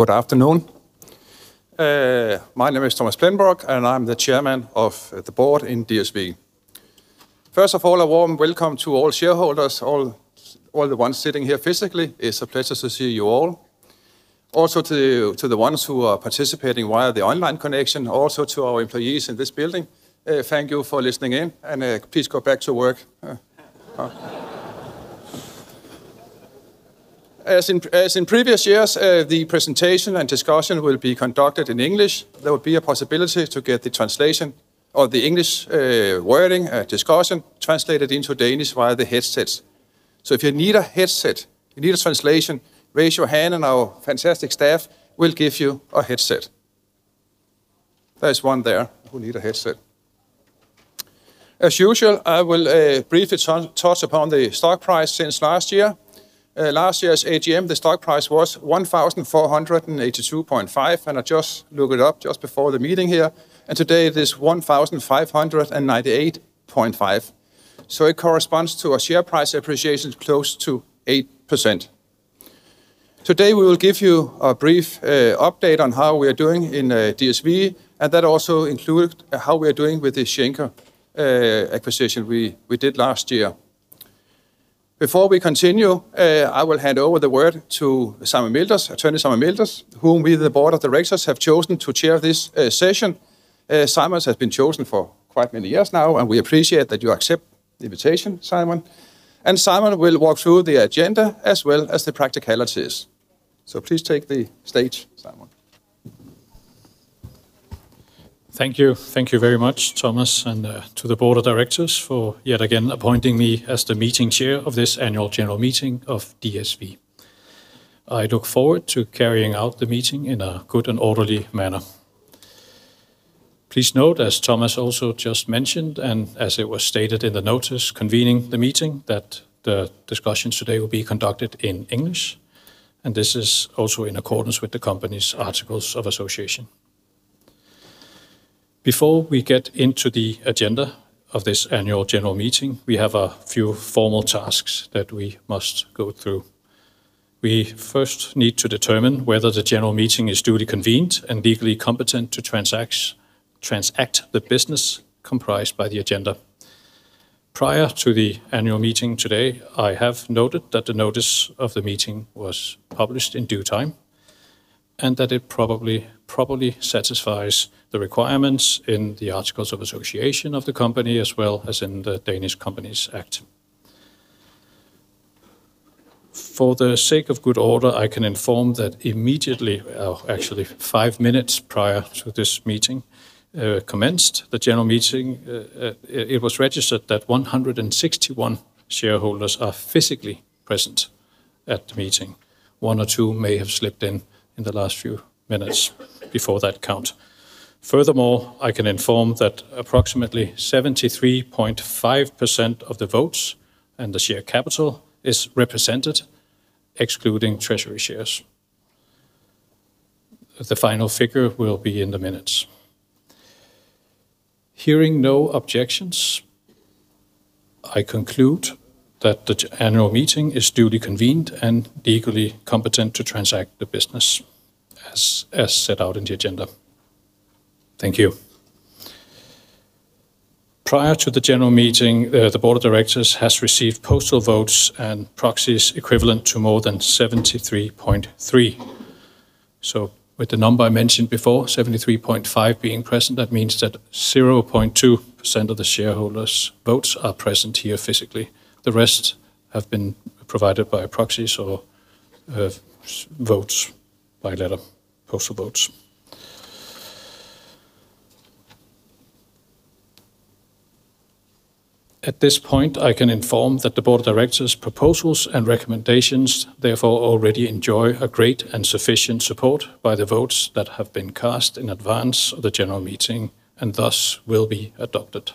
Good afternoon. My name is Thomas Plenborg, and I'm the Chairman of the Board in DSV. First of all, a warm welcome to all shareholders. All the ones sitting here physically, it's a pleasure to see you all. Also to the ones who are participating via the online connection, also to our employees in this building, thank you for listening in and, please go back to work. As in previous years, the presentation and discussion will be conducted in English. There will be a possibility to get the translation or the English wording, discussion translated into Danish via the headsets. If you need a headset, you need a translation, raise your hand and our fantastic staff will give you a headset. There's one there who need a headset. As usual, I will briefly touch upon the stock price since last year. Last year's AGM, the stock price was 1,482.5, and I just looked it up just before the meeting here, and today it is 1,598.5. It corresponds to a share price appreciation close to 8%. Today, we will give you a brief update on how we are doing in DSV, and that also include how we are doing with the Schenker acquisition we did last year. Before we continue, I will hand over the word to Simon Milthers, Attorney Simon Milthers, whom we, the Board of the Directors, have chosen to chair this session. Simon has been chosen for quite many years now, and we appreciate that you accept the invitation, Simon. Simon will walk through the agenda as well as the practicalities. Please take the stage, Simon. Thank you. Thank you very much, Thomas, and to the Board of Directors for yet again appointing me as the meeting chair of this annual general meeting of DSV. I look forward to carrying out the meeting in a good and orderly manner. Please note, as Thomas also just mentioned, and as it was stated in the notice convening the meeting, that the discussions today will be conducted in English, and this is also in accordance with the company's articles of association. Before we get into the agenda of this annual general meeting, we have a few formal tasks that we must go through. We first need to determine whether the general meeting is duly convened and legally competent to transact the business comprised by the agenda. Prior to the annual meeting today, I have noted that the notice of the meeting was published in due time, and that it probably satisfies the requirements in the articles of association of the company, as well as in the Danish Companies Act. For the sake of good order, I can inform that actually five minutes prior to this meeting, the general meeting commenced, it was registered that 161 shareholders are physically present at the meeting. One or two may have slipped in in the last few minutes before that count. Furthermore, I can inform that approximately 73.5% of the votes and the share capital is represented excluding treasury shares. The final figure will be in the minutes. Hearing no objections, I conclude that the annual meeting is duly convened and legally competent to transact the business as set out in the agenda. Thank you. Prior to the general meeting, the Board of Directors has received postal votes and proxies equivalent to more than 73.3%. With the number I mentioned before, 73.5% being present, that means that 0.2% of the shareholders' votes are present here physically. The rest have been provided by proxy, votes by letter, postal votes. At this point, I can inform that the Board of Directors' proposals and recommendations therefore already enjoy a great and sufficient support by the votes that have been cast in advance of the general meeting and thus will be adopted.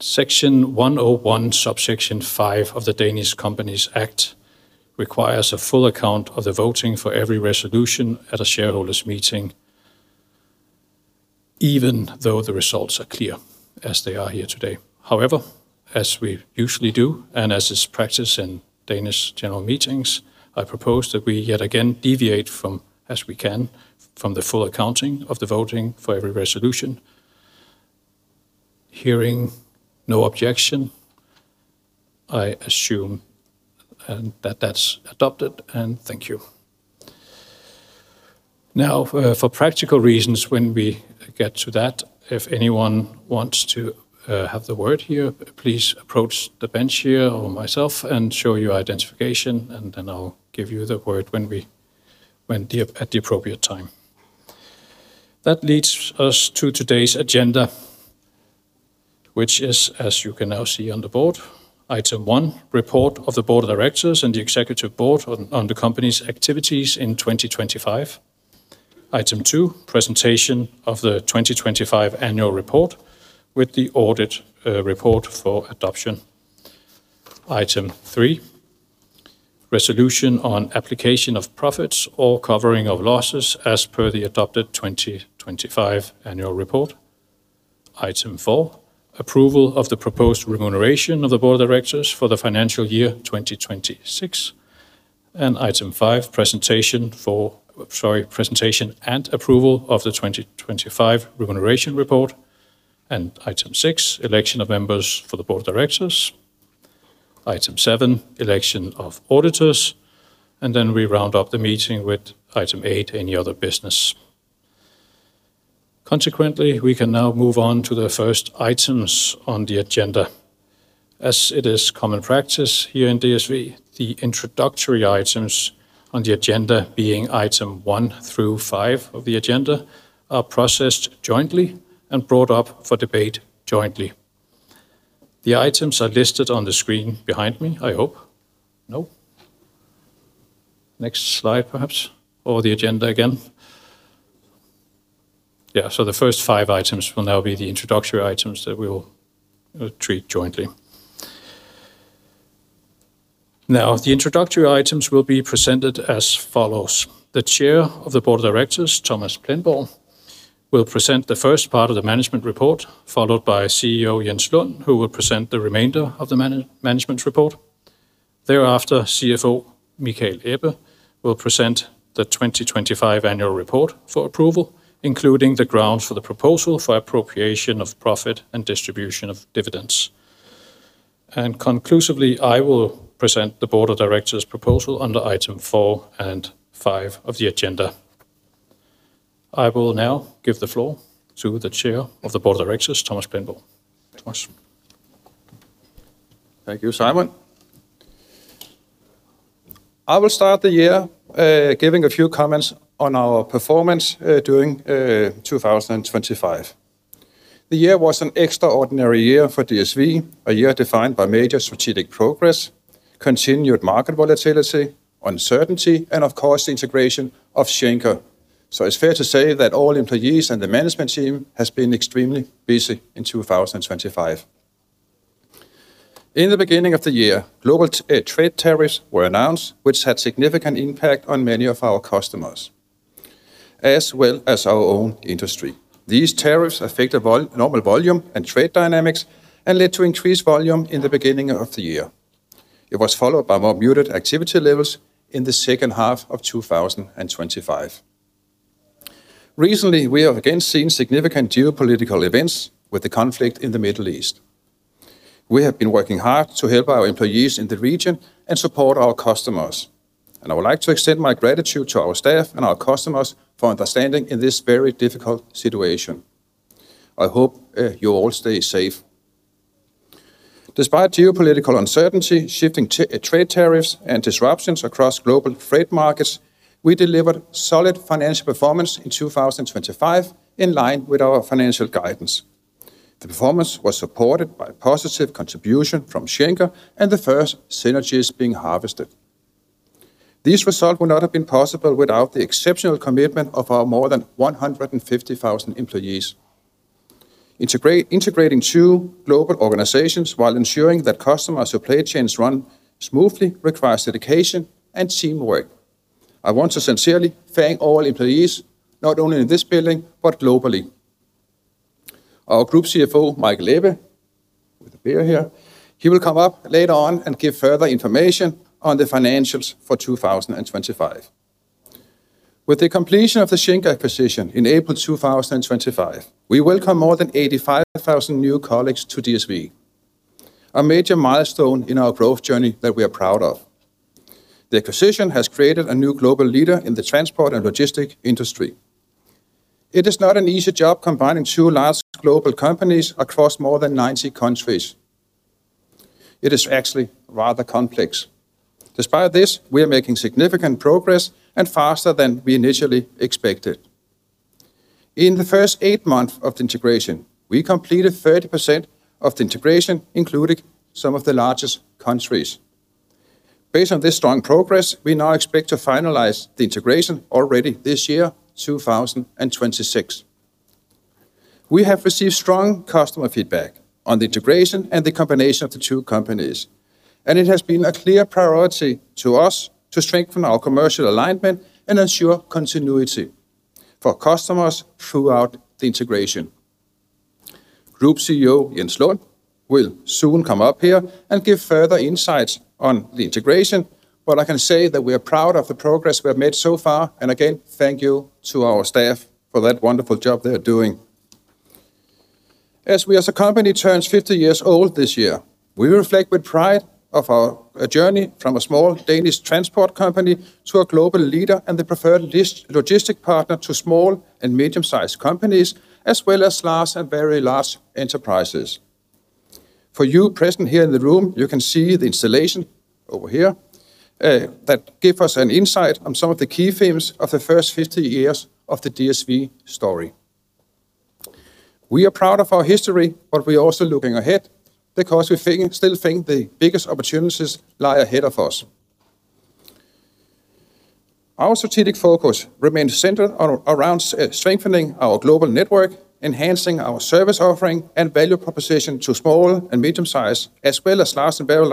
Section 101, subsection 5 of the Danish Companies Act requires a full account of the voting for every resolution at a shareholders' meeting, even though the results are clear, as they are here today. However, as we usually do, and as is practice in Danish general meetings, I propose that we yet again deviate from, as we can, from the full accounting of the voting for every resolution. Hearing no objection, I assume that that's adopted, and thank you. Now, for practical reasons, when we get to that, if anyone wants to have the word here, please approach the bench here or myself and show your identification, and then I'll give you the word at the appropriate time. That leads us to today's agenda, which is, as you can now see on the board, item 1, report of the Board of Directors and the Executive Board on the company's activities in 2025. Item 2, presentation of the 2025 annual report with the audit report for adoption. Item 3, resolution on application of profits or covering of losses as per the adopted 2025 annual report. Item 4. Approval of the proposed remuneration of the Board of Directors for the financial year 2026. Item 5. Presentation and approval of the 2025 Remuneration Report. Item 6. Election of members for the Board of Directors. Item 7. Election of auditors. We round up the meeting with item 8. Any other business. Consequently, we can now move on to the first items on the agenda. As it is common practice here in DSV, the introductory items on the agenda, being item one through five of the agenda, are processed jointly and brought up for debate jointly. The items are listed on the screen behind me, I hope. No? Next slide perhaps, or the agenda again. Yeah. The first five items will now be the introductory items that we will treat jointly. Now, the introductory items will be presented as follows. The Chair of the Board of Directors, Thomas Plenborg, will present the first part of the Management Report, followed by CEO Jens Lund, who will present the remainder of the management report. Thereafter, CFO Michael Ebbe will present the 2025 annual report for approval, including the grounds for the proposal for appropriation of profit and distribution of dividends. Conclusively, I will present the Board of Directors' proposal under item 4 and 5 of the agenda. I will now give the floor to the Chair of the Board of Directors, Thomas Plenborg. Thomas. Thank you, Simon. I will start the year giving a few comments on our performance during 2025. The year was an extraordinary year for DSV, a year defined by major strategic progress, continued market volatility, uncertainty, and of course, the integration of Schenker. It's fair to say that all employees and the management team has been extremely busy in 2025. In the beginning of the year, global trade tariffs were announced, which had significant impact on many of our customers, as well as our own industry. These tariffs affected normal volume and trade dynamics and led to increased volume in the beginning of the year. It was followed by more muted activity levels in the second half of 2025. Recently, we have again seen significant geopolitical events with the conflict in the Middle East. We have been working hard to help our employees in the region and support our customers, and I would like to extend my gratitude to our staff and our customers for understanding in this very difficult situation. I hope you all stay safe. Despite geopolitical uncertainty, shifting trade tariffs, and disruptions across global freight markets, we delivered solid financial performance in 2025 in line with our financial guidance. The performance was supported by positive contribution from Schenker and the first synergies being harvested. This result would not have been possible without the exceptional commitment of our more than 150,000 employees. Integrating two global organizations while ensuring that customer supply chains run smoothly requires dedication and teamwork. I want to sincerely thank all employees, not only in this building, but globally. Our Group CFO, Michael Ebbe, with a beer here, he will come up later on and give further information on the financials for 2025. With the completion of the Schenker acquisition in April 2025, we welcome more than 85,000 new colleagues to DSV, a major milestone in our growth journey that we are proud of. The acquisition has created a new global leader in the transport and logistics industry. It is not an easy job combining two large global companies across more than 90 countries. It is actually rather complex. Despite this, we are making significant progress and faster than we initially expected. In the first 8 months of the integration, we completed 30% of the integration, including some of the largest countries. Based on this strong progress, we now expect to finalize the integration already this year, 2026. We have received strong customer feedback on the integration and the combination of the two companies, and it has been a clear priority to us to strengthen our commercial alignment and ensure continuity for customers throughout the integration. Group CEO Jens Lund will soon come up here and give further insights on the integration, but I can say that we are proud of the progress we have made so far. Again, thank you to our staff for that wonderful job they are doing. As we as a company turns 50 years old this year, we reflect with pride on our journey from a small Danish transport company to a global leader and the preferred logistic partner to small and medium-sized companies, as well as large and very large enterprises. For those present here in the room, you can see the installation over here that gives us an insight on some of the key themes of the first 50 years of the DSV story. We are proud of our history, but we are also looking ahead because we still think the biggest opportunities lie ahead of us. Our strategic focus remains centered around strengthening our global network, enhancing our service offering and value proposition to small and medium-sized, as well as large and very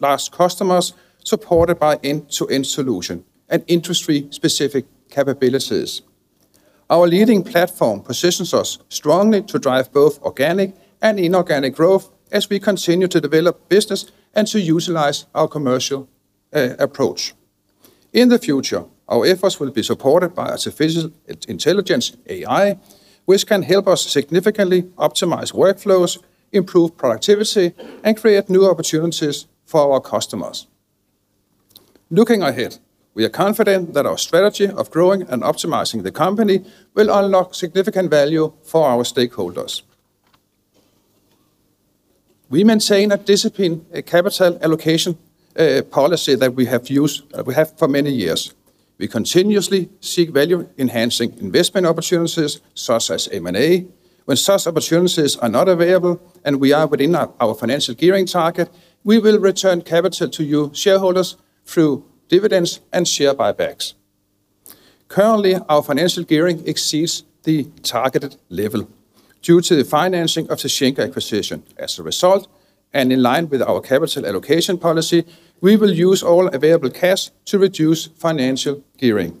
large customers, supported by end-to-end solutions and industry-specific capabilities. Our leading platform positions us strongly to drive both organic and inorganic growth as we continue to develop business and to utilize our commercial approach. In the future, our efforts will be supported by artificial intelligence, AI, which can help us significantly optimize workflows, improve productivity, and create new opportunities for our customers. Looking ahead, we are confident that our strategy of growing and optimizing the company will unlock significant value for our stakeholders. We maintain a disciplined capital allocation policy that we have used for many years. We continuously seek value-enhancing investment opportunities such as M&A. When such opportunities are not available, and we are within our financial gearing target, we will return capital to you shareholders through dividends and share buybacks. Currently, our financial gearing exceeds the targeted level due to the financing of the Schenker acquisition. As a result, and in line with our capital allocation policy, we will use all available cash to reduce financial gearing.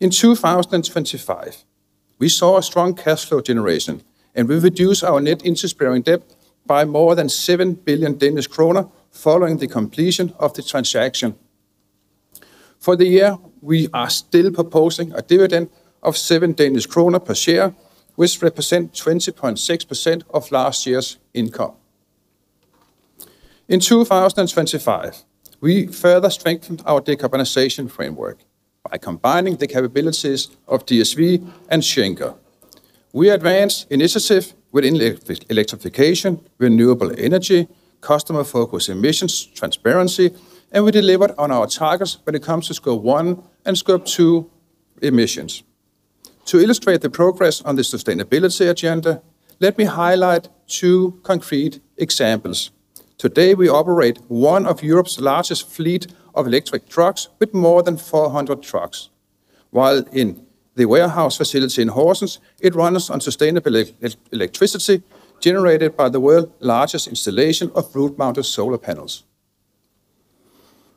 In 2025, we saw a strong cash flow generation, and we reduced our net interest-bearing debt by more than 7 billion Danish kroner following the completion of the transaction. For the year, we are still proposing a dividend of 7 Danish kroner per share, which represent 20.6% of last year's income. In 2025, we further strengthened our decarbonization framework by combining the capabilities of DSV and Schenker. We advanced initiatives within electrification, renewable energy, customer-focused emissions transparency, and we delivered on our targets when it comes to Scope 1 and Scope 2 emissions. To illustrate the progress on the sustainability agenda, let me highlight two concrete examples. Today, we operate one of Europe's largest fleet of electric trucks with more than 400 trucks, while in the warehouse facility in Horsens, it runs on sustainable electricity generated by the world's largest installation of roof-mounted solar panels.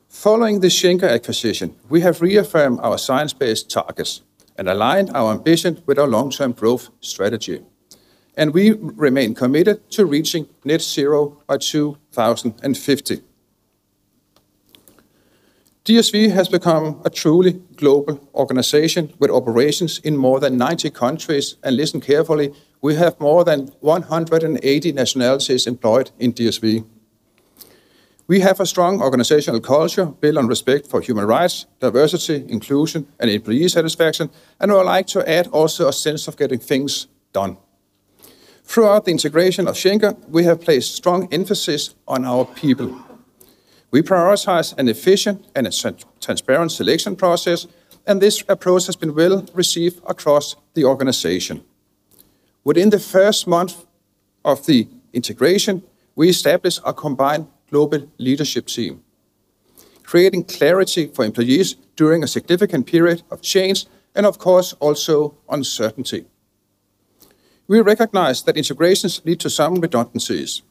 Following the Schenker acquisition, we have reaffirmed our science-based targets and aligned our ambition with our long-term growth strategy, and we remain committed to reaching net zero by 2050. DSV has become a truly global organization with operations in more than 90 countries, and listen carefully, we have more than 180 nationalities employed in DSV. We have a strong organizational culture built on respect for human rights, diversity, inclusion, and employee satisfaction, and I would like to add also a sense of getting things done. Throughout the integration of Schenker, we have placed strong emphasis on our people. We prioritize an efficient and a transparent selection process, and this approach has been well received across the organization. Within the first month of the integration, we established a combined global leadership team, creating clarity for employees during a significant period of change and, of course, also uncertainty. We recognize that integrations lead to some redundancies,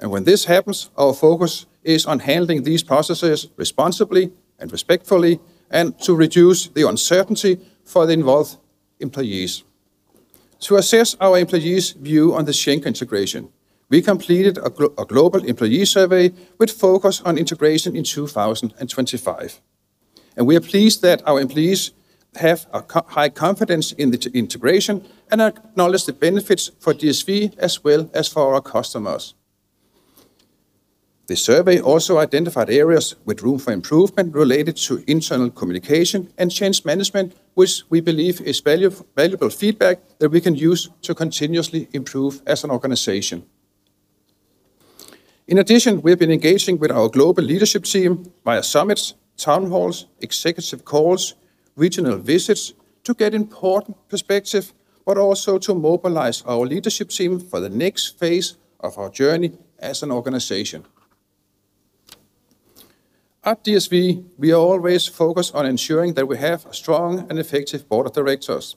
and when this happens, our focus is on handling these processes responsibly and respectfully and to reduce the uncertainty for the involved employees. To assess our employees' view on the Schenker integration, we completed a global employee survey with focus on integration in 2025, and we are pleased that our employees have a high confidence in the integration and acknowledge the benefits for DSV as well as for our customers. The survey also identified areas with room for improvement related to internal communication and change management, which we believe is valuable feedback that we can use to continuously improve as an organization. In addition, we have been engaging with our global leadership team via summits, town halls, executive calls, regional visits to get important perspective, but also to mobilize our leadership team for the next phase of our journey as an organization. At DSV, we are always focused on ensuring that we have a strong and effective board of directors.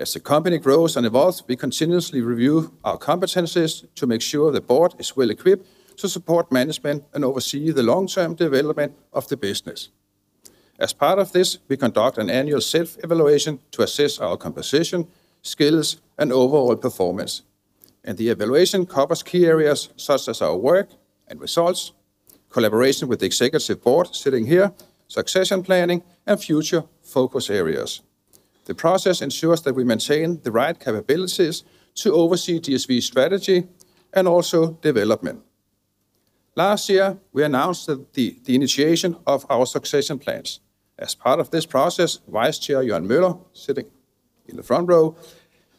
As the company grows and evolves, we continuously review our competencies to make sure the board is well-equipped to support management and oversee the long-term development of the business. As part of this, we conduct an annual self-evaluation to assess our composition, skills, and overall performance. The evaluation covers key areas such as our work and results, collaboration with the executive board, sitting here, succession planning, and future focus areas. The process ensures that we maintain the right capabilities to oversee DSV's strategy and also development. Last year, we announced the initiation of our succession plans. As part of this process, Vice Chair Jørgen Møller, sitting in the front row,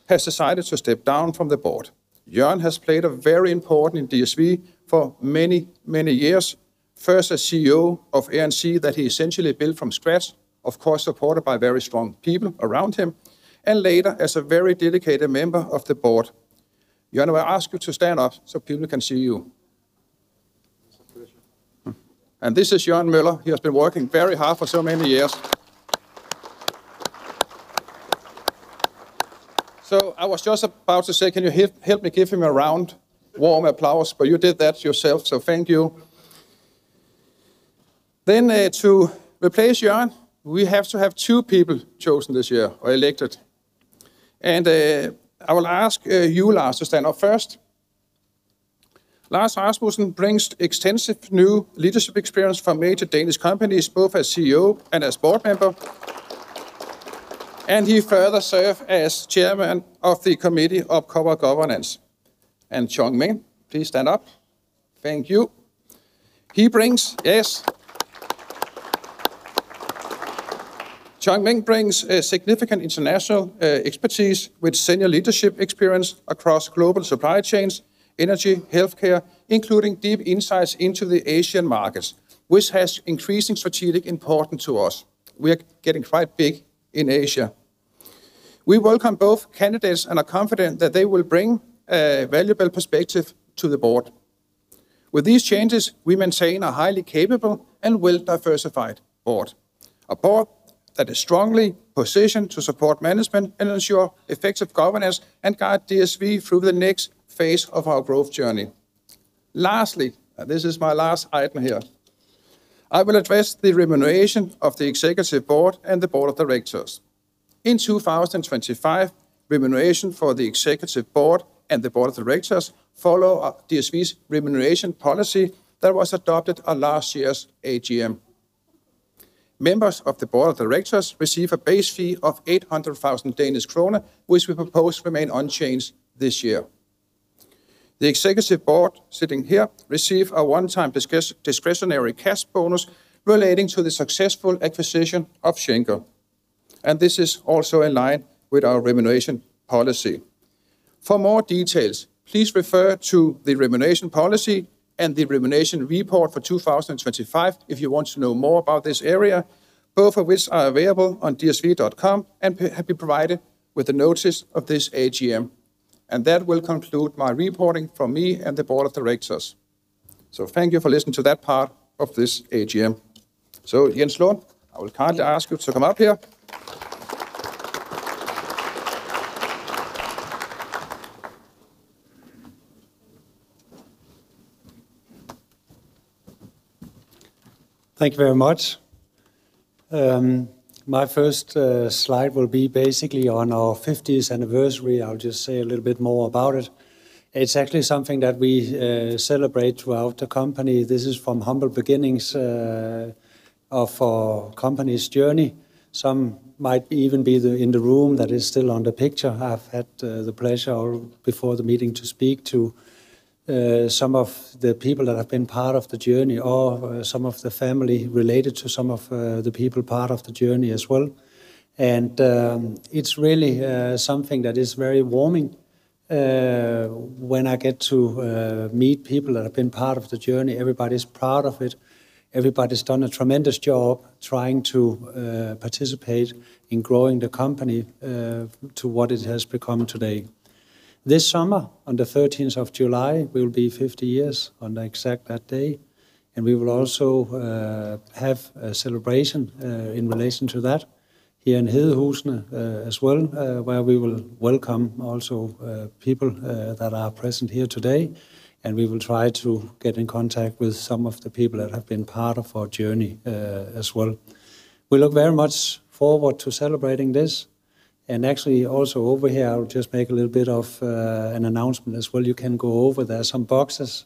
has decided to step down from the board. Jørgen has played a very important role in DSV for many, many years, first as CEO of A.P. Moller-Maersk that he essentially built from scratch, of course, supported by very strong people around him, and later as a very dedicated member of the board. Jørgen, I will ask you to stand up so people can see you. It's a pleasure. This is Jørgen Møller. He has been working very hard for so many years. I was just about to say, "Can you help me give him a round warm applause?" You did that yourself, so thank you. To replace Jørgen Møller, we have to have two people chosen this year or elected. I will ask you Lars to stand up first. Lars Rasmussen brings extensive new leadership experience from major Danish companies, both as CEO and as board member. He further served as chairman of the Committee on Corporate Governance. Tan Chong Meng, please stand up. Thank you. He brings. Yes. Tan Chong Meng brings significant international, expertise with senior leadership experience across global supply chains, energy, healthcare, including deep insights into the Asian markets, which has increasing strategic importance to us. We are getting quite big in Asia. We welcome both candidates and are confident that they will bring valuable perspective to the board. With these changes, we maintain a highly capable and well-diversified board, a board that is strongly positioned to support management and ensure effective governance and guide DSV through the next phase of our growth journey. Lastly, this is my last item here. I will address the remuneration of the executive board and the board of directors. In 2025, remuneration for the executive board and the board of directors follow DSV's remuneration policy that was adopted at last year's AGM. Members of the board of directors receive a base fee of 800,000 Danish krone, which we propose remain unchanged this year. The executive board sitting here receive a one-time discretionary cash bonus relating to the successful acquisition of Schenker, and this is also in line with our remuneration policy. For more details, please refer to the remuneration policy and the remuneration report for 2025 if you want to know more about this area, both of which are available on dsv.com and have been provided with the notice of this AGM. That will conclude my reporting from me and the board of directors. Thank you for listening to that part of this AGM. Jens Lund, I will kindly ask you to come up here. Thank you very much. My first slide will be basically on our fiftieth anniversary. I'll just say a little bit more about it. It's actually something that we celebrate throughout the company. This is from humble beginnings of our company's journey. Some might even be in the room that is still in the picture. I've had the pleasure before the meeting to speak to some of the people that have been part of the journey or some of the family related to some of the people part of the journey as well. It's really something that is very warming when I get to meet people that have been part of the journey. Everybody's proud of it. Everybody's done a tremendous job trying to participate in growing the company to what it has become today. This summer, on the thirteenth of July, will be 50 years on exactly that day, and we will also have a celebration in relation to that here in Hedehusene as well, where we will welcome also people that are present here today. We will try to get in contact with some of the people that have been part of our journey as well. We look very much forward to celebrating this. Actually, also over here, I'll just make a little bit of an announcement as well. You can go over there some boxes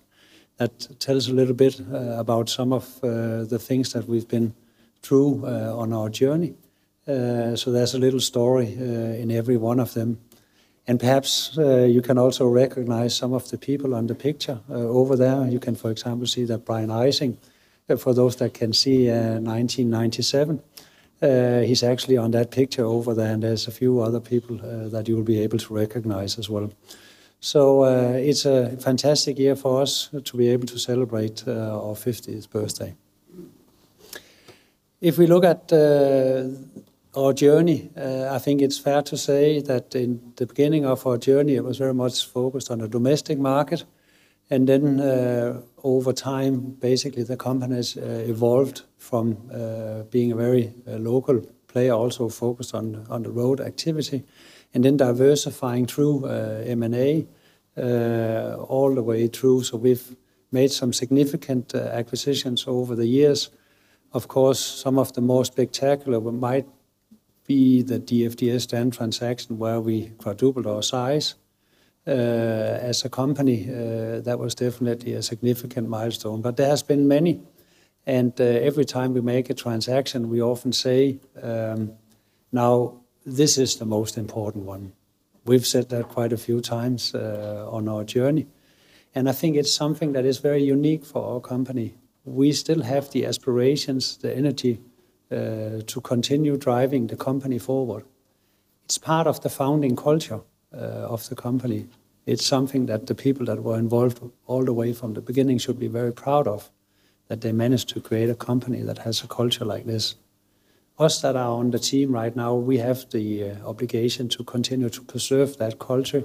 that tells a little bit about some of the things that we've been through on our journey. There's a little story in every one of them. Perhaps you can also recognize some of the people on the picture over there. You can, for example, see that Brian Ejsing, for those that can see, 1997, he's actually on that picture over there. There's a few other people that you'll be able to recognize as well. It's a fantastic year for us to be able to celebrate our fiftieth birthday. If we look at our journey, I think it's fair to say that in the beginning of our journey, it was very much focused on the domestic market. Then, over time, basically the company has evolved from being a very local player, also focused on the road activity and then diversifying through M&A all the way through. We've made some significant acquisitions over the years. Of course, some of the more spectacular one might be the DFDS transaction, where we quadrupled our size as a company. That was definitely a significant milestone, but there has been many. Every time we make a transaction, we often say, "Now this is the most important one." We've said that quite a few times on our journey, and I think it's something that is very unique for our company. We still have the aspirations, the energy to continue driving the company forward. It's part of the founding culture of the company. It's something that the people that were involved all the way from the beginning should be very proud of, that they managed to create a company that has a culture like this. us that are on the team right now, we have the obligation to continue to preserve that culture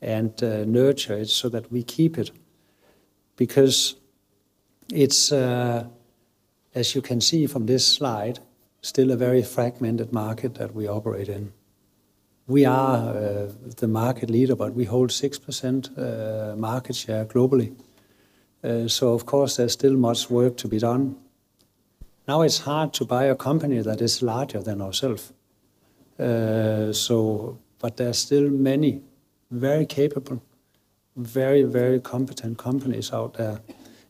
and, nurture it so that we keep it, because it's, as you can see from this slide, still a very fragmented market that we operate in. We are the market leader, but we hold 6% market share globally. Of course, there's still much work to be done. Now it's hard to buy a company that is larger than ourselves. There are still many very capable, very, very competent companies out there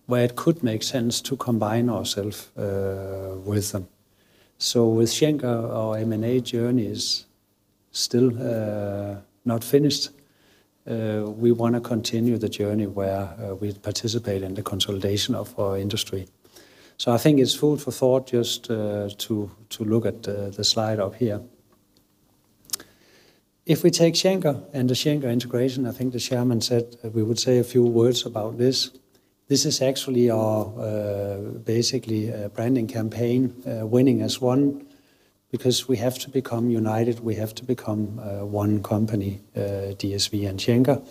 where it could make sense to combine ourselves with them. With Schenker, our M&A journey is still not finished. We want to continue the journey where we participate in the consolidation of our industry. I think it's food for thought just to look at the slide up here. If we take Schenker and the Schenker integration, I think the chairman said we would say a few words about this. This is actually our basically branding campaign, winning as one, because we have to become united. We have to become one company, DSV and Schenker.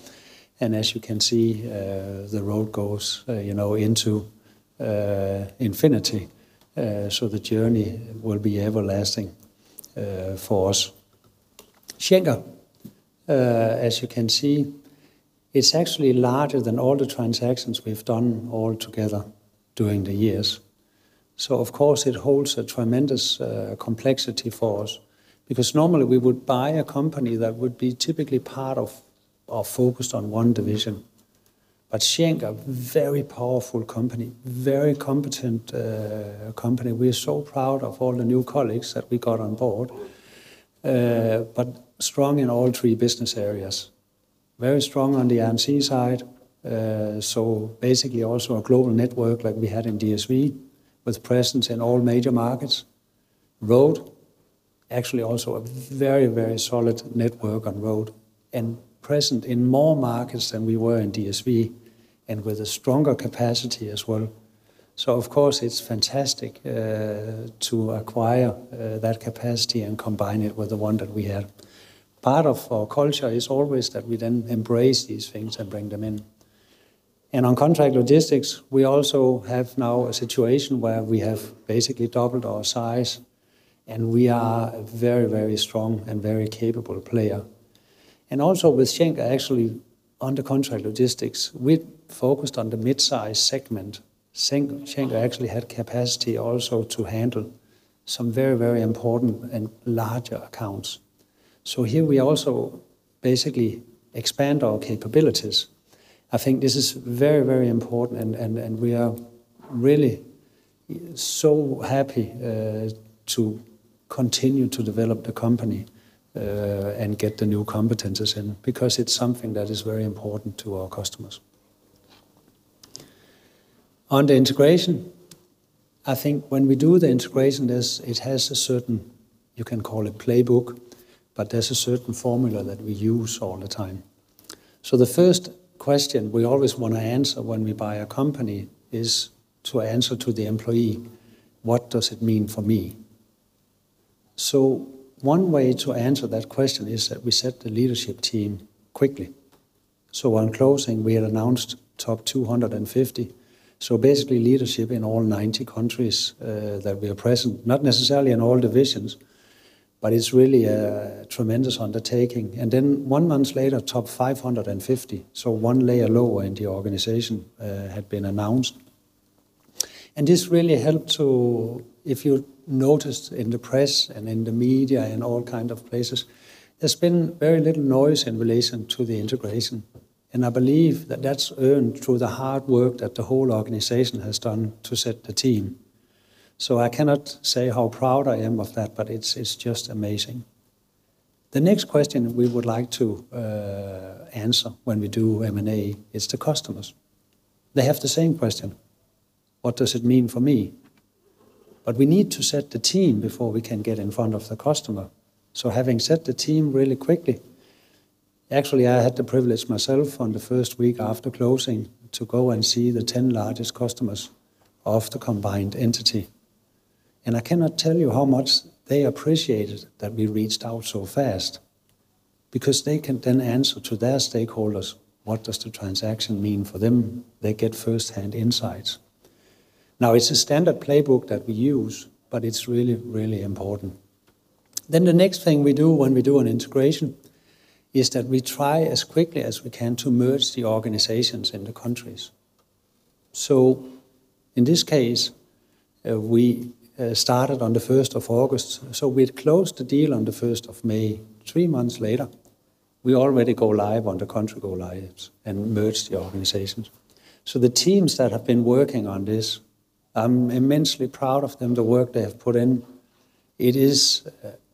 As you can see, the road goes into infinity. The journey will be everlasting for us. Schenker, as you can see, is actually larger than all the transactions we've done all together during the years. Of course, it holds a tremendous complexity for us because normally we would buy a company that would be typically part of or focused on one division. Schenker, very powerful company, very competent company. We are so proud of all the new colleagues that we got on board, but strong in all three business areas. Very strong on the MC side. Basically also a global network like we had in DSV with presence in all major markets. Road, actually also a very, very solid network on road and present in more markets than we were in DSV and with a stronger capacity as well. Of course, it's fantastic to acquire that capacity and combine it with the one that we have. Part of our culture is always that we then embrace these things and bring them in. On Contract Logistics, we also have now a situation where we have basically doubled our size and we are a very, very strong and very capable player. Also with Schenker, actually under Contract Logistics, we focused on the midsize segment. Schenker actually had capacity also to handle some very, very important and larger accounts. Here we also basically expand our capabilities. I think this is very, very important and we are really so happy to continue to develop the company and get the new competencies in because it's something that is very important to our customers. On the integration, I think when we do the integration, it has a certain, you can call it playbook, but there's a certain formula that we use all the time. The first question we always want to answer when we buy a company is to answer to the employee, what does it mean for me? One way to answer that question is that we set the leadership team quickly. On closing, we had announced top 250. Basically leadership in all 90 countries that we are present, not necessarily in all divisions, but it's really a tremendous undertaking. One month later, top 550. One layer lower in the organization had been announced. This really helped to, if you noticed in the press and in the media and all kinds of places, there's been very little noise in relation to the integration. I believe that that's earned through the hard work that the whole organization has done to set the team. I cannot say how proud I am of that, but it's just amazing. The next question we would like to answer when we do M&A is the customers. They have the same question. What does it mean for me? We need to set the team before we can get in front of the customer. Having set the team really quickly, actually I had the privilege myself on the first week after closing to go and see the 10 largest customers of the combined entity. I cannot tell you how much they appreciated that we reached out so fast because they can then answer to their stakeholders, what does the transaction mean for them? They get firsthand insights. Now it's a standard playbook that we use, but it's really, really important. The next thing we do when we do an integration is that we try as quickly as we can to merge the organizations in the countries. In this case, we started on the 1st of August. We had closed the deal on the 1st of May. Three months later, we already go live on the country go lives and merge the organizations. The teams that have been working on this, I'm immensely proud of them, the work they have put in. It is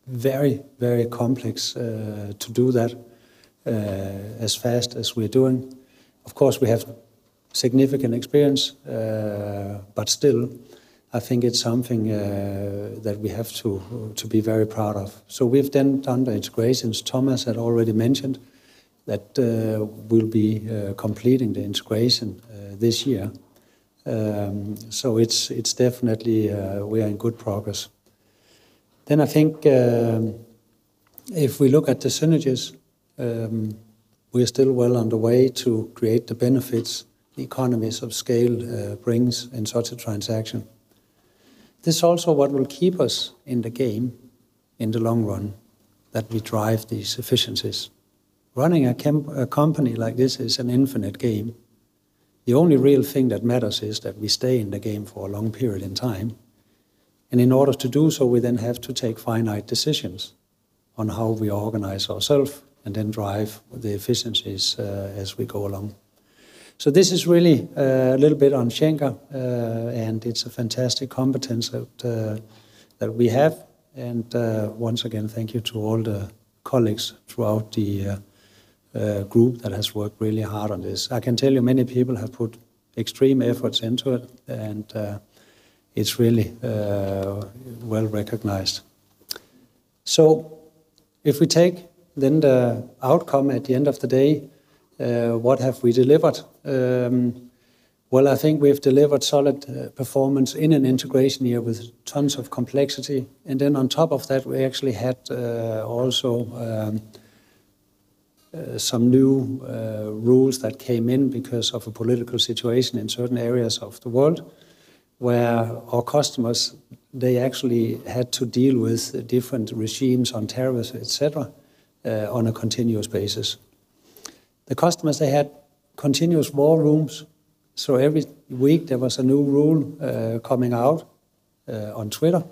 very, very complex to do that as fast as we're doing. Of course, we have significant experience, but still I think it's something that we have to be very proud of. We've then done the integrations. Thomas had already mentioned that we'll be completing the integration this year. It's definitely, we are in good progress. I think if we look at the synergies, we are still well on the way to create the benefits economies of scale brings in such a transaction. This also what will keep us in the game in the long run, that we drive these efficiencies. Running a company like this is an infinite game. The only real thing that matters is that we stay in the game for a long period in time. In order to do so, we then have to take finite decisions on how we organize ourself and then drive the efficiencies, as we go along. This is really a little bit on Schenker, and it's a fantastic competence that we have. Once again, thank you to all the colleagues throughout the group that has worked really hard on this. I can tell you many people have put extreme efforts into it, and it's really well-recognized. If we take then the outcome at the end of the day, what have we delivered? Well, I think we have delivered solid performance in an integration year with tons of complexity. Then on top of that, we actually had also some new rules that came in because of a political situation in certain areas of the world where our customers, they actually had to deal with different regimes on tariffs, et cetera, on a continuous basis. The customers, they had continuous war rooms, so every week there was a new rule coming out on Twitter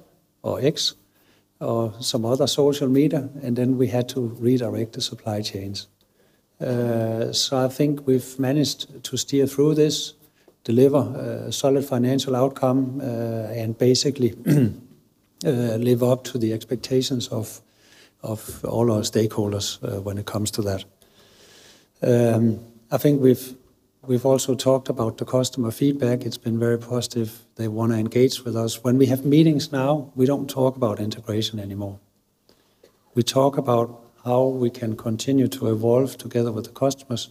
or X or some other social media, and then we had to redirect the supply chains. I think we've managed to steer through this, deliver a solid financial outcome, and basically live up to the expectations of all our stakeholders when it comes to that. I think we've also talked about the customer feedback. It's been very positive. They wanna engage with us. When we have meetings now, we don't talk about integration anymore. We talk about how we can continue to evolve together with the customers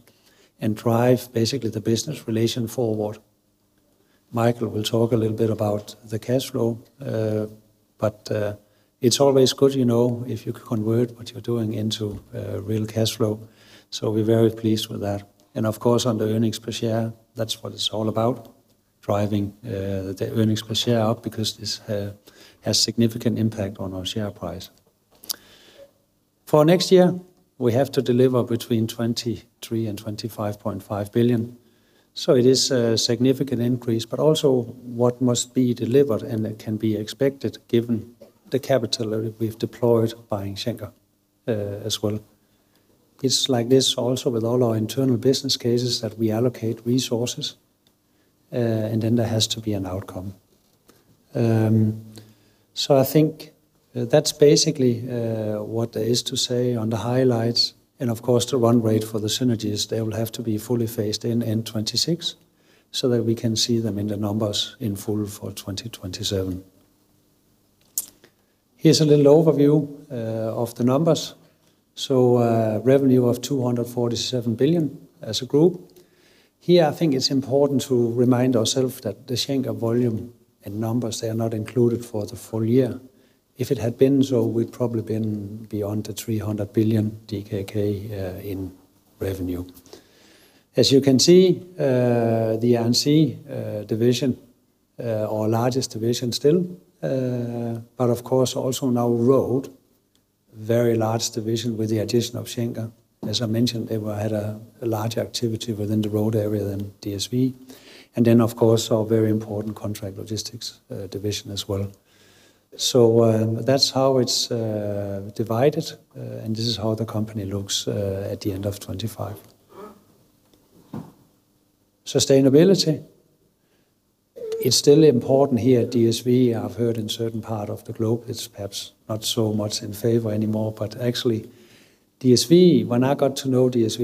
and drive basically the business relation forward. Michael will talk a little bit about the cash flow, but it's always good, you know, if you can convert what you're doing into real cash flow. We're very pleased with that. Of course, on the earnings per share, that's what it's all about, driving the earnings per share up because this has significant impact on our share price. For next year, we have to deliver between 23 billion and 25.5 billion. It is a significant increase, but also what must be delivered and that can be expected given the capital that we've deployed buying Schenker as well. It's like this also with all our internal business cases that we allocate resources and then there has to be an outcome. I think that's basically what there is to say on the highlights. Of course, the run rate for the synergies, they will have to be fully phased in in 2026, so that we can see them in the numbers in full for 2027. Here's a little overview of the numbers. Revenue of 247 billion as a group. Here, I think it's important to remind ourselves that the Schenker volume and numbers, they are not included for the full year. If it had been so, we'd probably been beyond 300 billion DKK in revenue. As you can see, the Air and Sea division, our largest division still. Of course, also now Road, very large division with the addition of Schenker. As I mentioned, they had a large activity within the road area than DSV. Of course, our very important Contract Logistics division as well. That's how it's divided, and this is how the company looks at the end of 2025. Sustainability. It's still important here at DSV. I've heard in certain part of the globe it's perhaps not so much in favor anymore. Actually, DSV, when I got to know DSV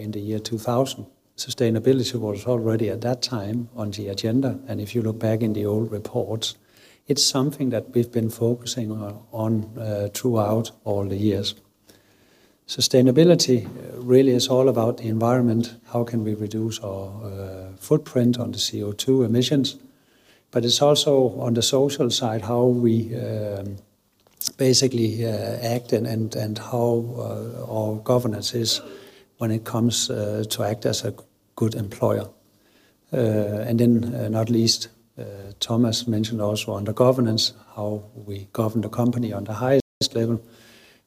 in the year 2000, sustainability was already at that time on the agenda. If you look back in the old reports, it's something that we've been focusing on throughout all the years. Sustainability really is all about the environment. How can we reduce our footprint on the CO2 emissions? It's also on the social side, how we basically act and how our governance is when it comes to act as a good employer. Not least, Thomas mentioned also under governance, how we govern the company on the highest level,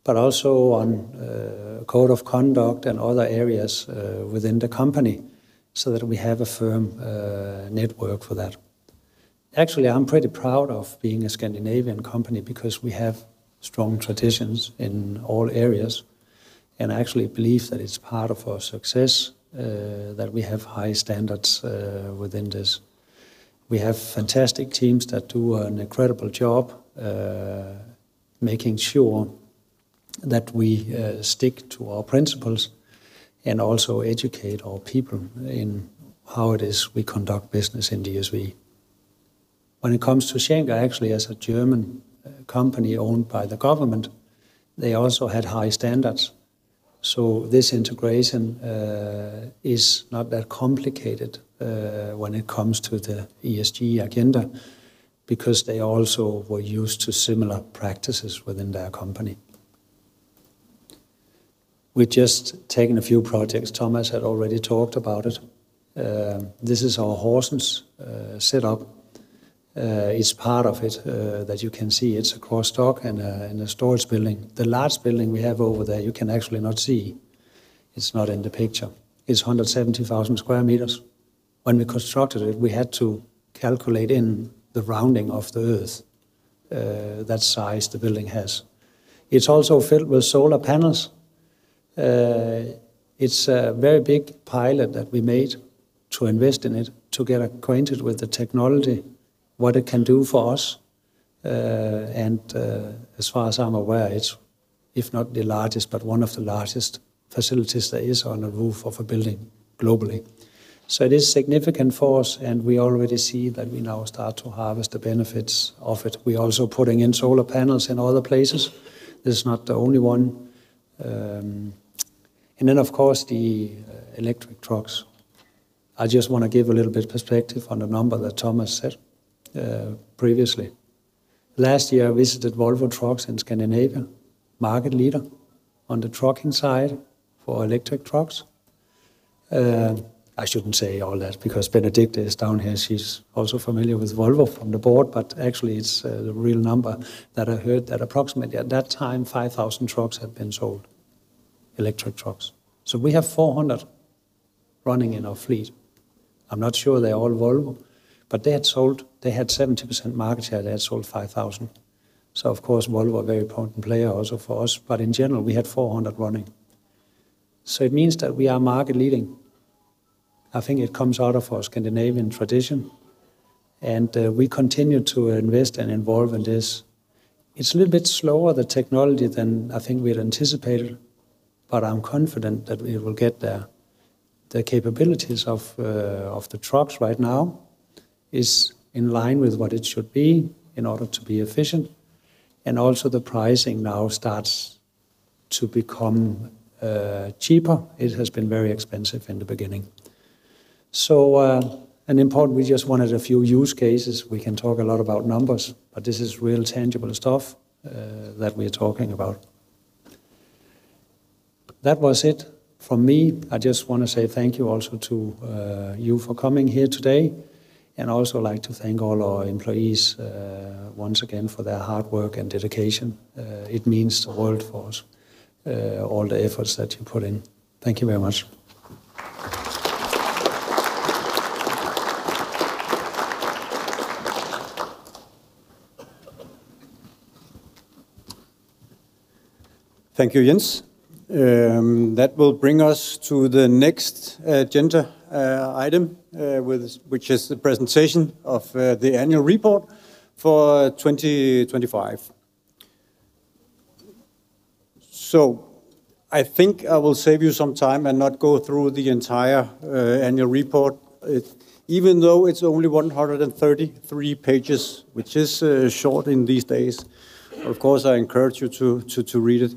but also on code of conduct and other areas within the company so that we have a firm network for that. Actually, I'm pretty proud of being a Scandinavian company because we have strong traditions in all areas. I actually believe that it's part of our success that we have high standards within this. We have fantastic teams that do an incredible job making sure that we stick to our principles and also educate our people in how it is we conduct business in DSV. When it comes to Schenker, actually as a German company owned by the government, they also had high standards. This integration is not that complicated when it comes to the ESG agenda, because they also were used to similar practices within their company. We've just taken a few projects. Thomas had already talked about it. This is our Horsens setup. It's part of it that you can see. It's a cross-dock and a storage building. The large building we have over there, you can actually not see. It's not in the picture. It's 170,000 square meters. When we constructed it, we had to calculate in the rounding of the Earth, that size the building has. It's also filled with solar panels. It's a very big pilot that we made to invest in it to get acquainted with the technology, what it can do for us. As far as I'm aware, it's if not the largest, but one of the largest facilities that is on a roof of a building globally. It is significant for us, and we already see that we now start to harvest the benefits of it. We're also putting in solar panels in other places. This is not the only one. Of course the electric trucks. I just wanna give a little bit of perspective on the number that Thomas said, previously. Last year, I visited Volvo Trucks in Scandinavia, market leader on the trucking side for electric trucks. I shouldn't say all that because Benedikte is down here. She's also familiar with Volvo from the board, but actually it's the real number that I heard that approximately at that time, 5,000 trucks had been sold, electric trucks. We have 400 running in our fleet. I'm not sure they're all Volvo, but they had 70% market share. They had sold 5,000. Of course, Volvo are a very important player also for us. But in general, we had 400 running. It means that we are market leading. I think it comes out of our Scandinavian tradition, and we continue to invest and involve in this. It's a little bit slower, the technology, than I think we had anticipated, but I'm confident that we will get there. The capabilities of the trucks right now is in line with what it should be in order to be efficient, and also the pricing now starts to become cheaper. It has been very expensive in the beginning. Important, we just wanted a few use cases. We can talk a lot about numbers, but this is real tangible stuff that we're talking about. That was it from me. I just wanna say thank you also to you for coming here today, and also like to thank all our employees once again for their hard work and dedication. It means the world for us all the efforts that you put in. Thank you very much. Thank you, Jens. That will bring us to the next agenda item, which is the presentation of the annual report for 2025. I think I will save you some time and not go through the entire annual report. Even though it's only 133 pages, which is short in these days. Of course, I encourage you to read it.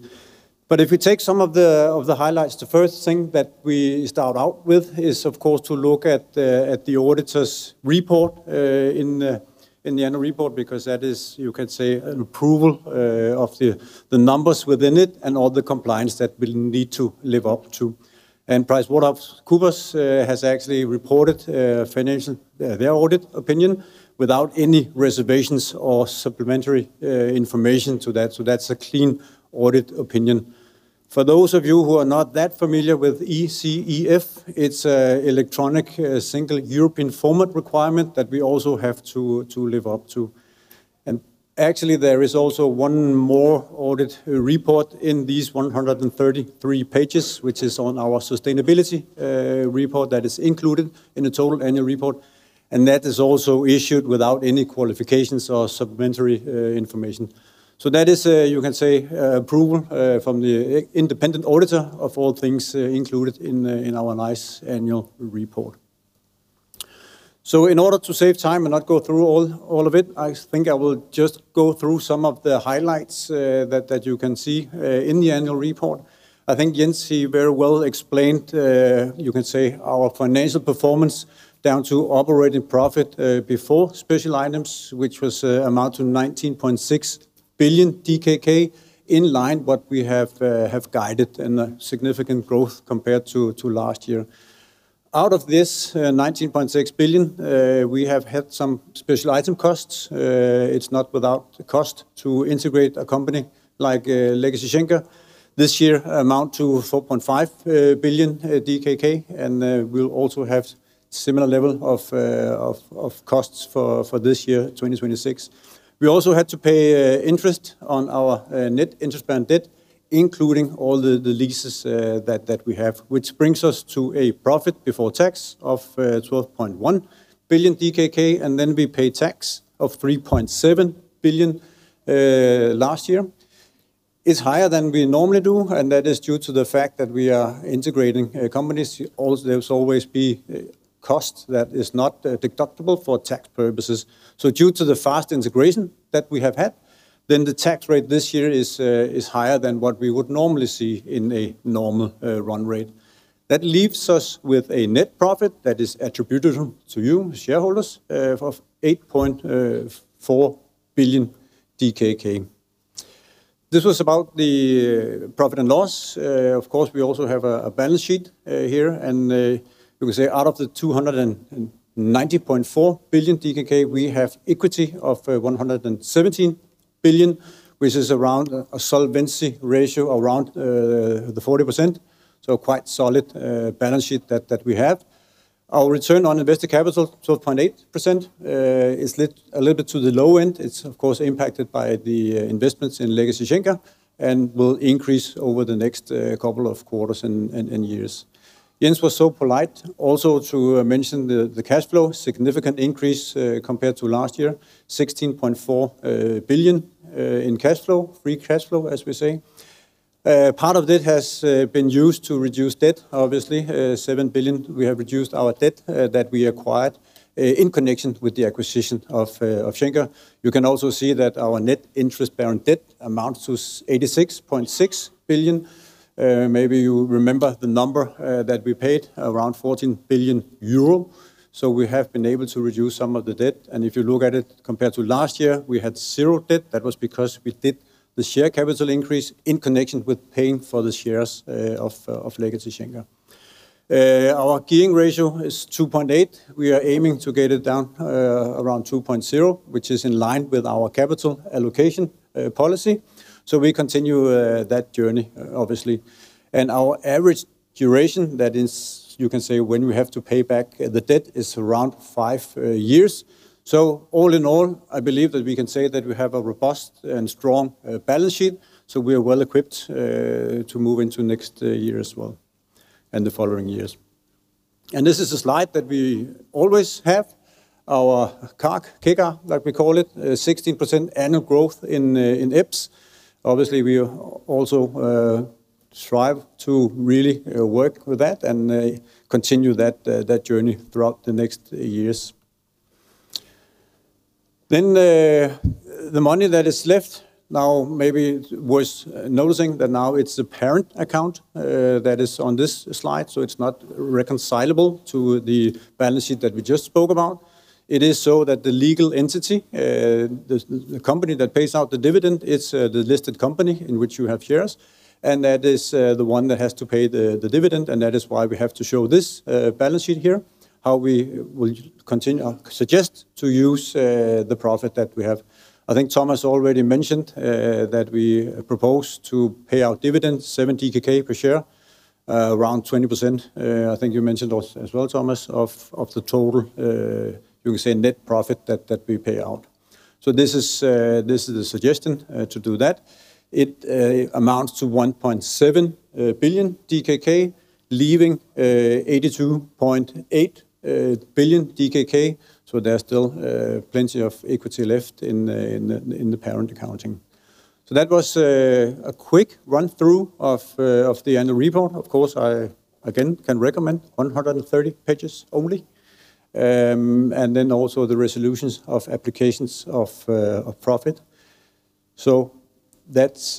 If we take some of the highlights, the first thing that we start out with is, of course, to look at the auditor's report in the annual report because that is, you could say, an approval of the numbers within it and all the compliance that we'll need to live up to. PricewaterhouseCoopers has actually reported their audit opinion without any reservations or supplementary information to that. That's a clean audit opinion. For those of you who are not that familiar with ESEF, it's a Electronic Single European Format requirement that we also have to live up to. There is also one more audit report in these 133 pages, which is on our sustainability report that is included in the total annual report, and that is also issued without any qualifications or supplementary information. That is, you can say, approval from the independent auditor of all things included in our nice annual report. In order to save time and not go through all of it, I think I will just go through some of the highlights that you can see in the annual report. I think Jens, he very well explained you can say our financial performance down to operating profit before special items, which amounted to 19.6 billion DKK in line with what we have guided and a significant growth compared to last year. Out of this 19.6 billion, we have had some special items costs. It's not without cost to integrate a company like legacy Schenker. This year amounts to 4.5 billion DKK, and we'll also have similar level of costs for this year, 2026. We also had to pay interest on our net interest-bearing debt, including all the leases that we have, which brings us to a profit before tax of 12.1 billion DKK, and then we pay tax of 3.7 billion last year. It's higher than we normally do, and that is due to the fact that we are integrating companies. There's always be costs that is not deductible for tax purposes. Due to the fast integration that we have had, then the tax rate this year is higher than what we would normally see in a normal run rate. That leaves us with a net profit that is attributed to you shareholders of 8.4 billion DKK. This was about the profit and loss. Of course, we also have a balance sheet here, and you can say out of the 290.4 billion DKK, we have equity of 117 billion, which is around a solvency ratio around 40%. Quite solid balance sheet that we have. Our return on invested capital, 12.8%, is a little bit on the low end. It's of course impacted by the investments in legacy Schenker and will increase over the next couple of quarters and years. Jens was so polite also to mention the cash flow. Significant increase compared to last year, 16.4 billion in cash flow, free cash flow, as we say. Part of it has been used to reduce debt, obviously, seven billion we have reduced our debt that we acquired in connection with the acquisition of Schenker. You can also see that our net interest-bearing debt amounts to 86.6 billion. Maybe you remember the number that we paid, around 14 billion euro. We have been able to reduce some of the debt. If you look at it compared to last year, we had zero debt. That was because we did the share capital increase in connection with paying for the shares of legacy Schenker. Our gearing ratio is 2.8. We are aiming to get it down around 2.0, which is in line with our capital allocation policy. We continue that journey obviously. Our average duration, that is you can say, when we have to pay back the debt is around 5 years. All in all, I believe that we can say that we have a robust and strong balance sheet, so we are well equipped to move into next year as well and the following years. This is a slide that we always have our CAGR, like we call it, 16% annual growth in EPS. Obviously, we also strive to really work with that and continue that journey throughout the next years. The money that is left now maybe worth noticing that now it's the parent account that is on this slide, so it's not reconcilable to the balance sheet that we just spoke about. It is so that the legal entity, the company that pays out the dividend is the listed company in which you have shares, and that is the one that has to pay the dividend, and that is why we have to show this balance sheet here, how we will suggest to use the profit that we have. I think Thomas already mentioned that we propose to pay out dividends 7 DKK per share, around 20%, I think you mentioned as well, Thomas, of the total, you can say net profit that we pay out. This is a suggestion to do that. It amounts to 1.7 billion DKK, leaving 82.8 billion DKK. There's still plenty of equity left in the parent accounting. That was a quick run-through of the annual report. Of course, I again can recommend 130 pages only. Then also the resolutions of applications of profit. That's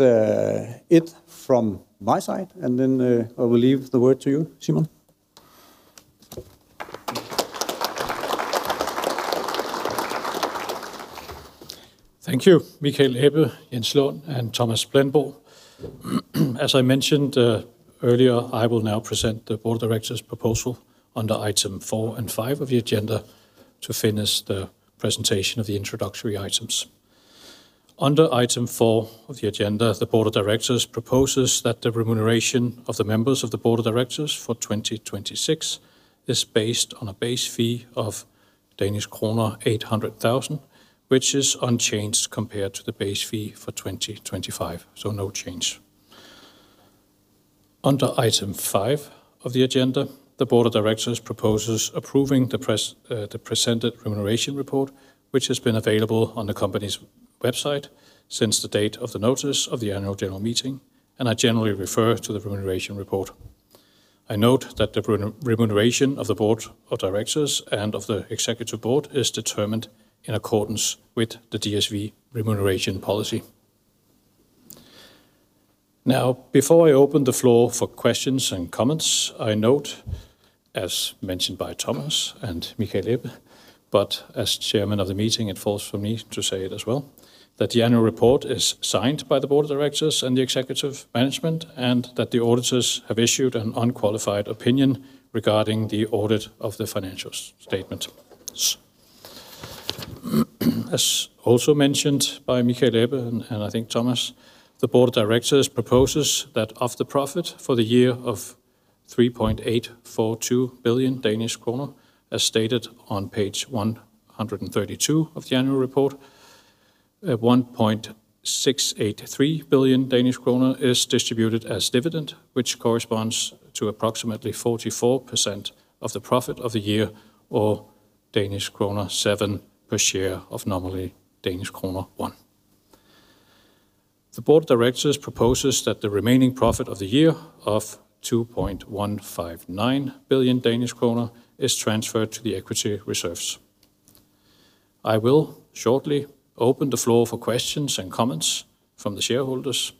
it from my side. Then I will leave the word to you, Simon. Thank you, Michael Ebbe, Jens Lund, and Thomas Plenborg. As I mentioned earlier, I will now present the Board of Directors' proposal under item four and five of the agenda to finish the presentation of the introductory items. Under item four of the agenda, the Board of Directors proposes that the remuneration of the members of the Board of Directors for 2026 is based on a base fee of Danish kroner 800,000, which is unchanged compared to the base fee for 2025. No change. Under item five of the agenda, the Board of Directors proposes approving the presented remuneration report, which has been available on the company's website since the date of the notice of the annual general meeting, and I generally refer to the remuneration report. I note that the remuneration of the Board of Directors and of the executive board is determined in accordance with the DSV Remuneration Policy. Now, before I open the floor for questions and comments, I note, as mentioned by Thomas and Michael Ebbe, but as chairman of the meeting, it falls for me to say it as well, that the annual report is signed by the Board of Directors and the executive management, and that the auditors have issued an unqualified opinion regarding the audit of the financial statement. As also mentioned by Michael Ebbe and I think Thomas, the Board of Directors proposes that of the profit for the year of 3.842 billion Danish kroner, as stated on page 132 of the annual report, 1.683 billion Danish kroner is distributed as dividend, which corresponds to approximately 44% of the profit of the year or Danish krone 7 per share of nominally Danish krone 1. The Board of Directors proposes that the remaining profit of the year of 2.159 billion Danish kroner is transferred to the equity reserves. I will shortly open the floor for questions and comments from the shareholders.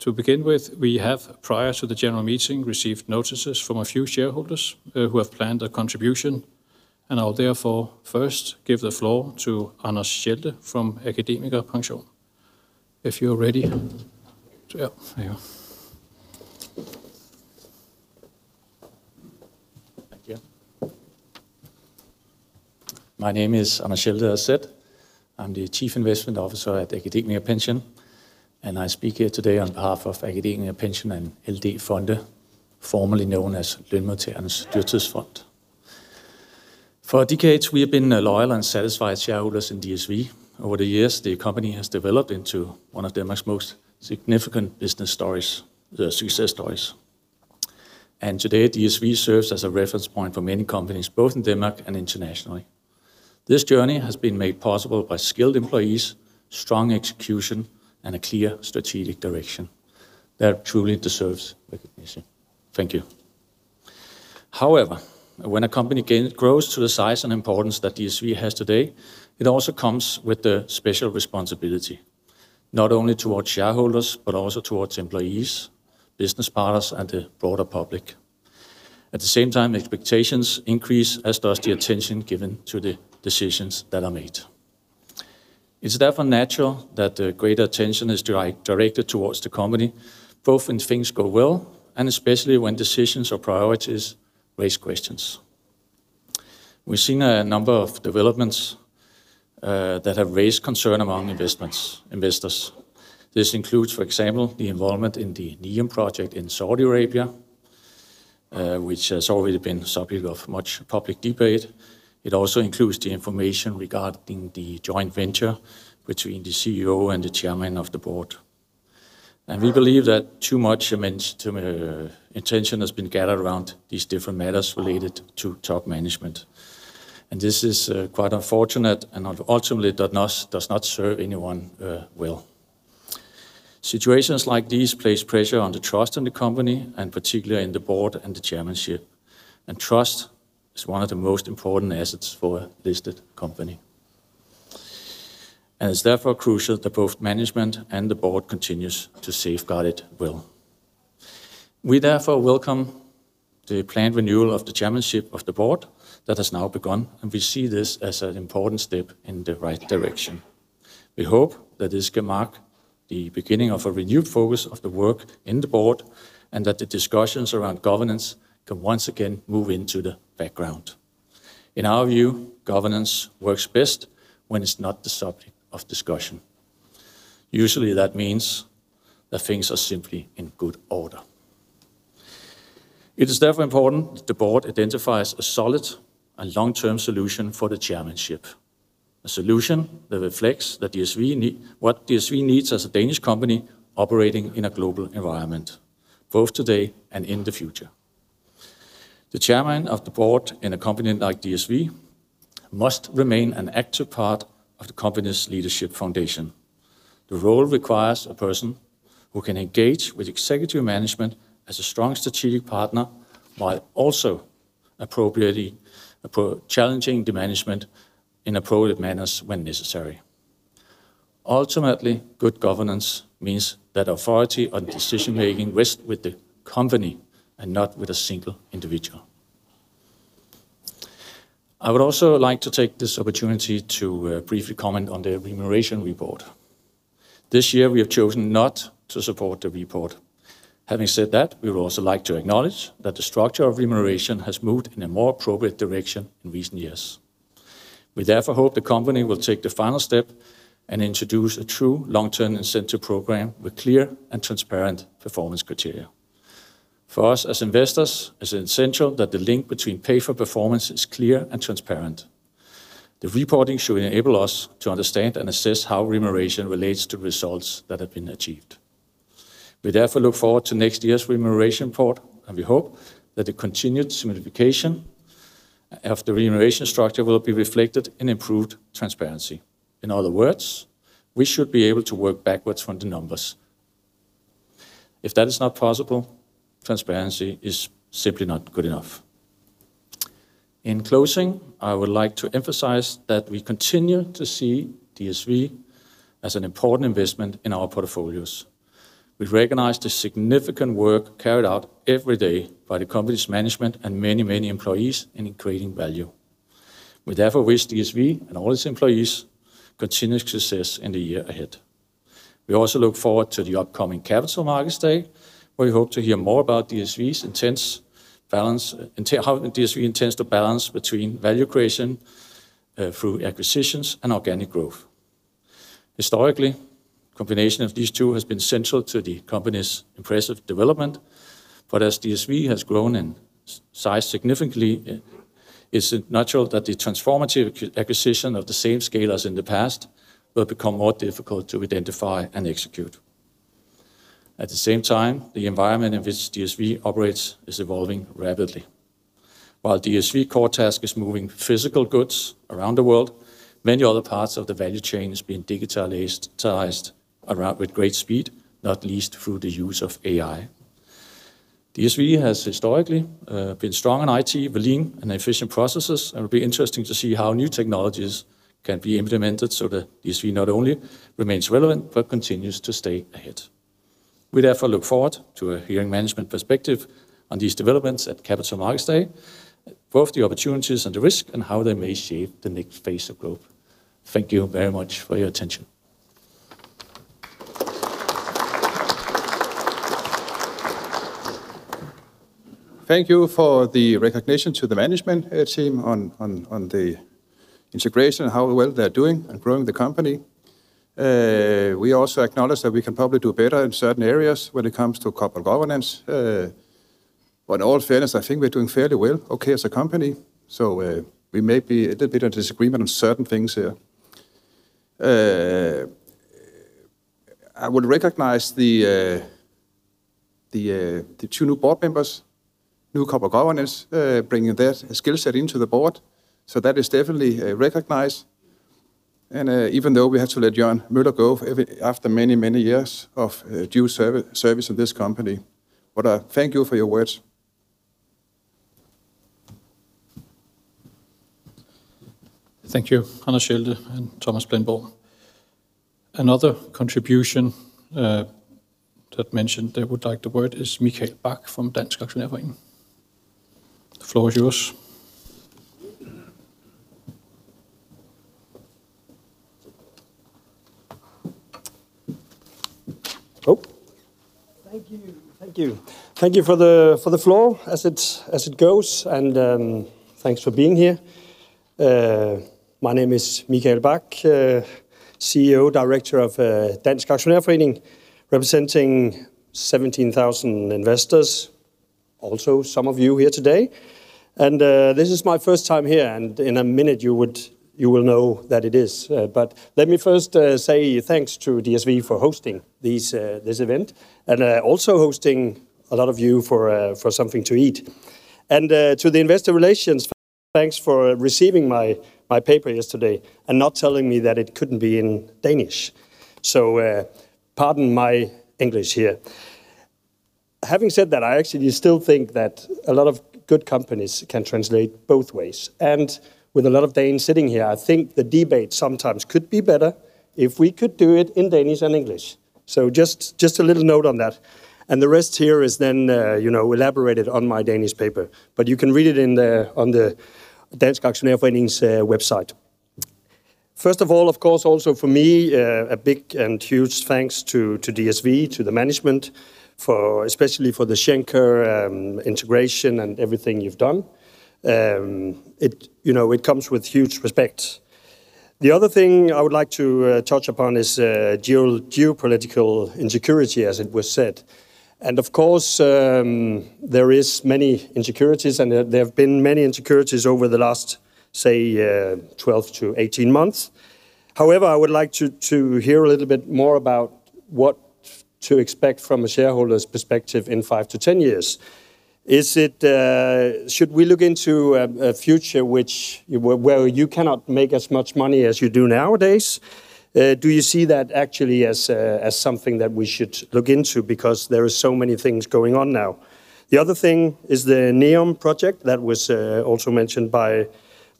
To begin with, we have, prior to the general meeting, received notices from a few shareholders, who have planned a contribution, and I'll therefore first give the floor to Anders Schelde from AkademikerPension. If you're ready. Yeah, there you are. Thank you. My name is Anders Schelde, as said. I'm the Chief Investment Officer at AkademikerPension, and I speak here today on behalf of AkademikerPension and LD Fonde, formerly known as Lønmodtagernes Dyrtidsfond. For decades, we have been loyal and satisfied shareholders in DSV. Over the years, the company has developed into one of Denmark's most significant business stories, success stories. Today, DSV serves as a reference point for many companies, both in Denmark and internationally. This journey has been made possible by skilled employees, strong execution, and a clear strategic direction that truly deserves recognition. Thank you. However, when a company grows to the size and importance that DSV has today, it also comes with a special responsibility, not only towards shareholders, but also towards employees, business partners, and the broader public. At the same time, expectations increase, as does the attention given to the decisions that are made. It's therefore natural that greater attention is directed towards the company, both when things go well and especially when decisions or priorities raise questions. We've seen a number of developments that have raised concern among investors. This includes, for example, the involvement in the NEOM project in Saudi Arabia, which has already been the subject of much public debate. It also includes the information regarding the joint venture between the CEO and the chairman of the board. We believe that too much attention has been gathered around these different matters related to top management, and this is quite unfortunate and ultimately does not serve anyone well. Situations like these place pressure on the trust in the company and particularly in the board and the chairmanship, and trust is one of the most important assets for a listed company, and it's therefore crucial that both management and the board continues to safeguard it well. We therefore welcome the planned renewal of the chairmanship of the board that has now begun, and we see this as an important step in the right direction. We hope that this can mark the beginning of a renewed focus of the work in the board and that the discussions around governance can once again move into the background. In our view, governance works best when it's not the subject of discussion. Usually, that means that things are simply in good order. It is therefore important that the board identifies a solid and long-term solution for the chairmanship, a solution that reflects what DSV needs as a Danish company operating in a global environment, both today and in the future. The chairman of the board in a company like DSV must remain an active part of the company's leadership foundation. The role requires a person who can engage with executive management as a strong strategic partner while also appropriately challenging the management in appropriate manners when necessary. Ultimately, good governance means that authority on decision-making rests with the company and not with a single individual. I would also like to take this opportunity to briefly comment on the remuneration report. This year we have chosen not to support the report. Having said that, we would also like to acknowledge that the structure of remuneration has moved in a more appropriate direction in recent years. We therefore hope the company will take the final step and introduce a true long-term incentive program with clear and transparent performance criteria. For us as investors, it's essential that the link between pay for performance is clear and transparent. The reporting should enable us to understand and assess how remuneration relates to results that have been achieved. We therefore look forward to next year's remuneration report, and we hope that the continued simplification of the remuneration structure will be reflected in improved transparency. In other words, we should be able to work backwards from the numbers. If that is not possible, transparency is simply not good enough. In closing, I would like to emphasize that we continue to see DSV as an important investment in our portfolios. We recognize the significant work carried out every day by the company's management and many, many employees in creating value. We therefore wish DSV and all its employees continued success in the year ahead. We also look forward to the upcoming Capital Markets Day, where we hope to hear more about how DSV intends to balance between value creation through acquisitions and organic growth. Historically, combination of these two has been central to the company's impressive development. As DSV has grown in size significantly, it's natural that the transformative acquisition of the same scale as in the past will become more difficult to identify and execute. At the same time, the environment in which DSV operates is evolving rapidly. While DSV's core task is moving physical goods around the world, many other parts of the value chain is being digitized around with great speed, not least through the use of AI. DSV has historically been strong in IT, lean and efficient processes, and it'll be interesting to see how new technologies can be implemented so that DSV not only remains relevant, but continues to stay ahead. We therefore look forward to hearing management perspective on these developments at Capital Markets Day, both the opportunities and the risk and how they may shape the next phase of growth. Thank you very much for your attention. Thank you for the recognition to the management team on the integration and how well they're doing in growing the company. We also acknowledge that we can probably do better in certain areas when it comes to corporate governance. In all fairness, I think we're doing fairly well, okay as a company. We may be a little bit of disagreement on certain things here. I would recognize the two new board members, new corporate governance, bringing their skill set into the board, so that is definitely recognized. Even though we had to let Jørgen Møller go after many, many years of due service in this company. Thank you for your words. Thank you, Anders Schelde and Thomas Plenborg. Another contribution that mentioned they would like the word is Michael Bak from Dansk Aktionærforening. The floor is yours. Thank you for the floor as it goes, and thanks for being here. My name is Michael Bak, CEO, Director of Dansk Aktionærforening, representing 17,000 investors, also some of you here today. This is my first time here, and in a minute you will know that it is. Let me first say thanks to DSV for hosting this event and also hosting a lot of you for something to eat. To the investor relations, thanks for receiving my paper yesterday and not telling me that it couldn't be in Danish. Pardon my English here. Having said that, I actually still think that a lot of good companies can translate both ways. With a lot of Danes sitting here, I think the debate sometimes could be better if we could do it in Danish and English. So just a little note on that, and the rest here is then, you know, elaborated on my Danish paper, but you can read it on the Dansk Aktionærforening's website. First of all, of course also for me, a big and huge thanks to DSV, to the management for, especially for the Schenker integration and everything you've done. It, you know, it comes with huge respect. The other thing I would like to touch upon is geopolitical insecurity, as it was said. Of course, there is many insecurities, and there have been many insecurities over the last, say, 12-18 months. However, I would like to hear a little bit more about what to expect from a shareholder's perspective in five to ten years. Should we look into a future where you cannot make as much money as you do nowadays? Do you see that actually as something that we should look into because there are so many things going on now? The other thing is the NEOM project that was also mentioned by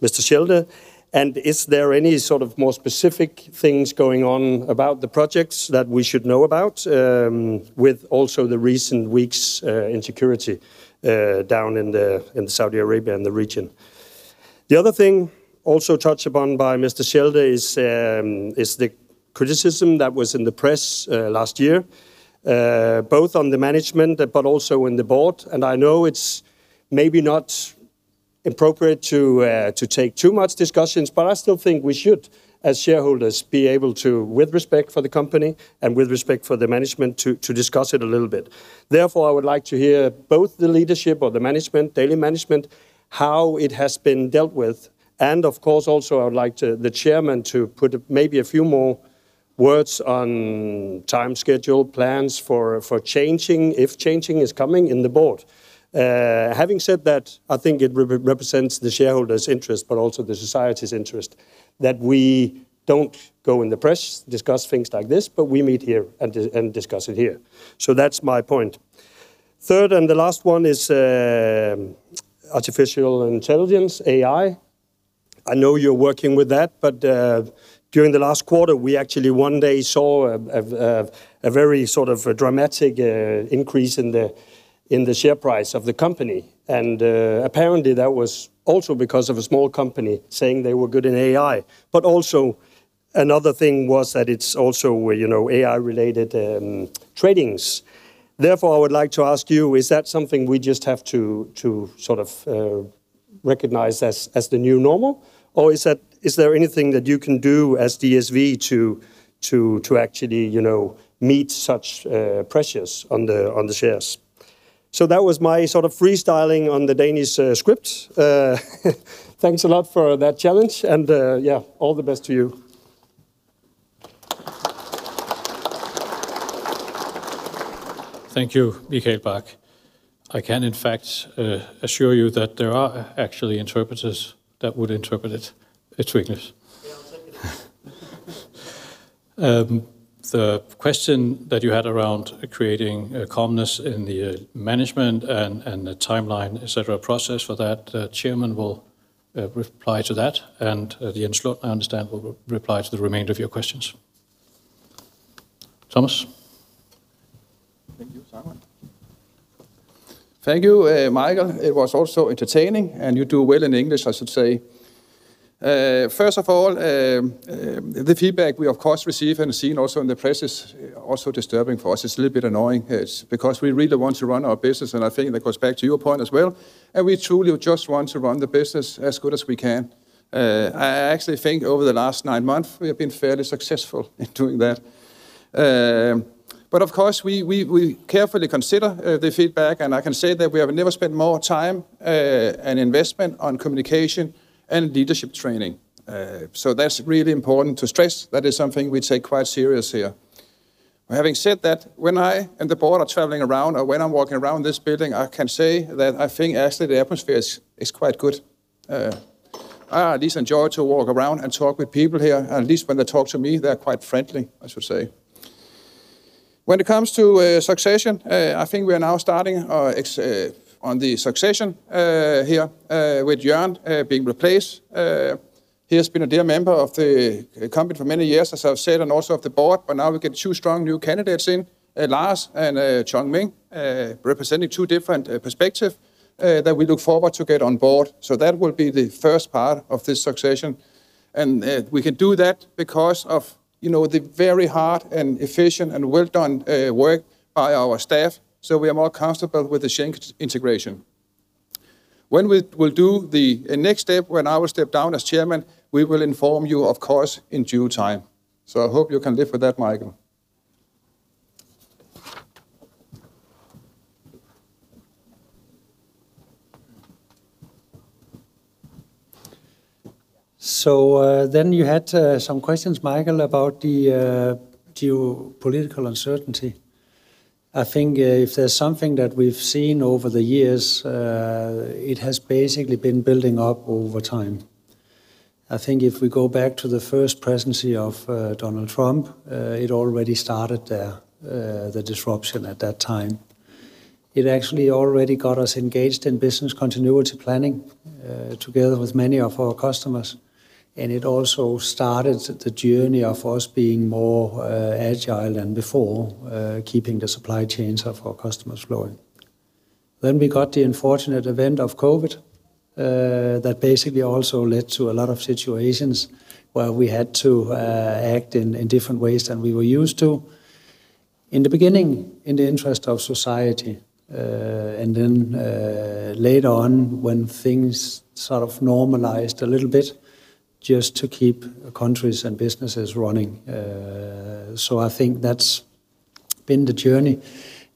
Mr. Schelde, and is there any sort of more specific things going on about the projects that we should know about, with also the recent weeks' insecurity down in Saudi Arabia and the region? The other thing also touched upon by Mr. Is the criticism that was in the press last year, both on the management, but also in the board, and I know it's maybe not appropriate to take too much discussions, but I still think we should, as shareholders, be able to, with respect for the company and with respect for the management, to discuss it a little bit. Therefore, I would like to hear both the leadership of the management, daily management, how it has been dealt with, and of course also I would like the chairman to put maybe a few more words on time schedule plans for changing, if changing is coming in the board. Having said that, I think it represents the shareholders' interest but also the society's interest that we don't go in the press, discuss things like this, but we meet here and discuss it here. That's my point. Third, and the last one is artificial intelligence, AI. I know you're working with that, but during the last quarter, we actually one day saw a very sort of a dramatic increase in the share price of the company. Apparently that was also because of a small company saying they were good in AI. Also another thing was that it's also, you know, AI-related trading. Therefore, I would like to ask you, is that something we just have to sort of recognize as the new normal, or is there anything that you can do as DSV to actually meet such pressures on the shares? So that was my sort of freestyling on the Danish script. Thanks a lot for that challenge and yeah, all the best to you. Thank you, Michael Bak. I can in fact assure you that there are actually interpreters that would interpret it to English. The question that you had around creating calmness in the management and the timeline, et cetera, process for that, the chairman will reply to that. Jens Lund, I understand, will reply to the remainder of your questions. Thomas. Thank you, Simon. Thank you, Michael. It was also entertaining, and you do well in English, I should say. First of all, the feedback we of course receive and have seen also in the press is also disturbing for us. It's a little bit annoying. It's because we really want to run our business, and I think that goes back to your point as well, and we truly just want to run the business as good as we can. I actually think over the last nine months we have been fairly successful in doing that. Of course, we carefully consider the feedback, and I can say that we have never spent more time and investment on communication and leadership training. That's really important to stress. That is something we take quite serious here. Having said that, when I and the board are traveling around or when I'm walking around this building, I can say that I think actually the atmosphere is quite good. I at least enjoy to walk around and talk with people here. At least when they talk to me, they're quite friendly, I should say. When it comes to succession, I think we are now starting on the succession here with Jørn being replaced. He has been a dear member of the company for many years, as I've said, and also of the board, but now we get two strong new candidates in Lars and Chong Meng representing two different perspective that we look forward to get on board. That will be the first part of this succession. We can do that because of, you know, the very hard and efficient and well done work by our staff, so we are more comfortable with the Schenker integration. When we will do the next step, when I will step down as chairman, we will inform you, of course, in due time. I hope you can live with that, Michael. You had some questions, Michael, about the geopolitical uncertainty. I think if there's something that we've seen over the years, it has basically been building up over time. I think if we go back to the first presidency of Donald Trump, it already started there, the disruption at that time. It actually already got us engaged in business continuity planning together with many of our customers. It also started the journey of us being more agile than before, keeping the supply chains of our customers flowing. We got the unfortunate event of COVID that basically also led to a lot of situations where we had to act in different ways than we were used to. In the beginning, in the interest of society, and then, later on when things sort of normalized a little bit just to keep countries and businesses running. I think that's been the journey.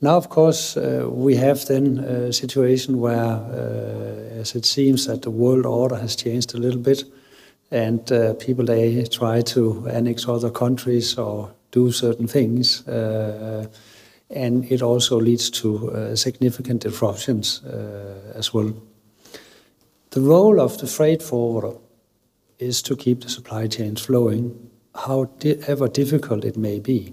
Now, of course, we have then a situation where, as it seems that the world order has changed a little bit and, people they try to annex other countries or do certain things, and it also leads to, significant disruptions, as well. The role of the freight forwarder is to keep the supply chains flowing however difficult it may be.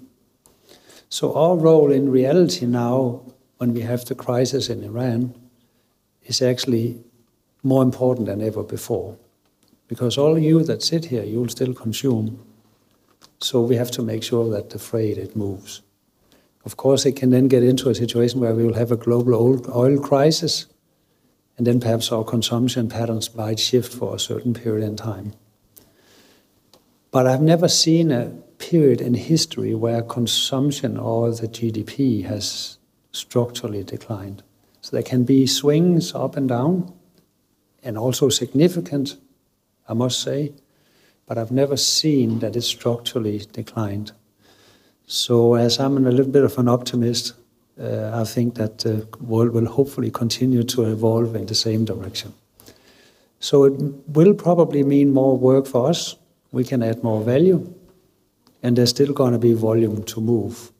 Our role in reality now, when we have the crisis in Iran, is actually more important than ever before, because all you that sit here, you will still consume. We have to make sure that the freight, it moves. Of course, it can then get into a situation where we will have a global oil crisis, and then perhaps our consumption patterns might shift for a certain period in time. I've never seen a period in history where consumption or the GDP has structurally declined. There can be swings up and down, and also significant, I must say, but I've never seen that it structurally declined. As I'm a little bit of an optimist, I think that the world will hopefully continue to evolve in the same direction. It will probably mean more work for us. We can add more value, and there's still gonna be volume to move.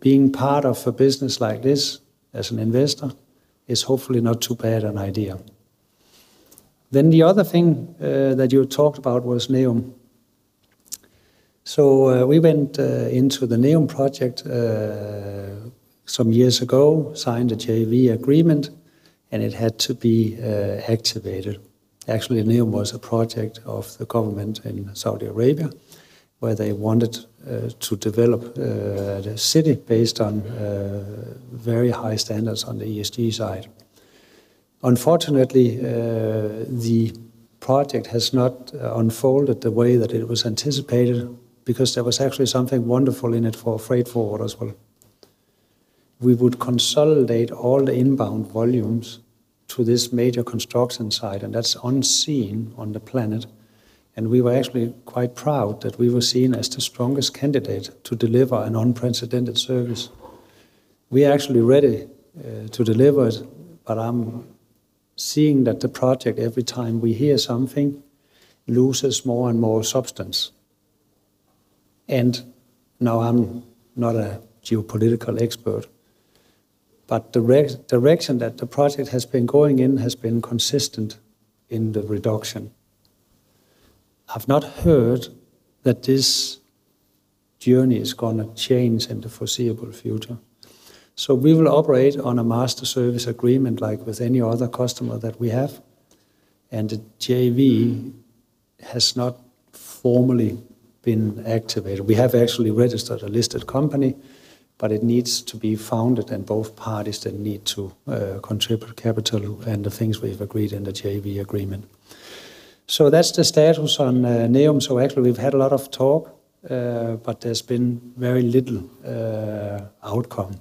Being part of a business like this as an investor is hopefully not too bad an idea. The other thing that you talked about was NEOM. We went into the NEOM project some years ago, signed a JV agreement, and it had to be activated. Actually, NEOM was a project of the government in Saudi Arabia, where they wanted to develop the city based on very high standards on the ESG side. Unfortunately, the project has not unfolded the way that it was anticipated because there was actually something wonderful in it for freight forwarders. Well, we would consolidate all the inbound volumes to this major construction site, and that's unseen on the planet. We were actually quite proud that we were seen as the strongest candidate to deliver an unprecedented service. We are actually ready to deliver it, but I'm seeing that the project, every time we hear something, loses more and more substance. Now I'm not a geopolitical expert. The redirection that the project has been going in has been consistent in the reduction. I've not heard that this journey is gonna change in the foreseeable future. We will operate on a master service agreement like with any other customer that we have. The JV has not formally been activated. We have actually registered a listed company, but it needs to be founded, and both parties then need to contribute capital and the things we have agreed in the JV agreement. That's the status on NEOM. Actually we've had a lot of talk, but there's been very little outcome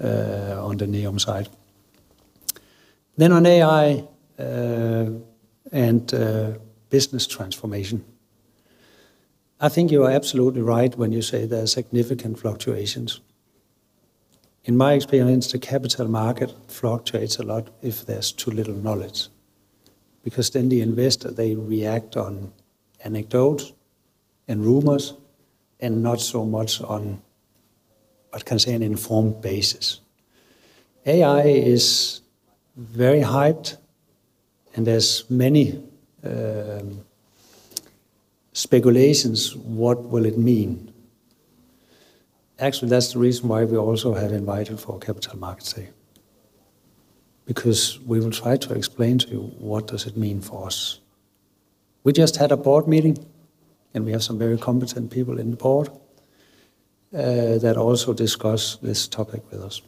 on the NEOM side. On AI and business transformation. I think you are absolutely right when you say there are significant fluctuations. In my experience, the capital market fluctuates a lot if there's too little knowledge, because then the investor, they react on anecdotes and rumors and not so much on, I can say, an informed basis. AI is very hyped, and there's many speculations what will it mean. Actually, that's the reason why we also have invited for a Capital Markets Day, because we will try to explain to you what does it mean for us. We just had a board meeting, and we have some very competent people in the board that also discuss this topic with us.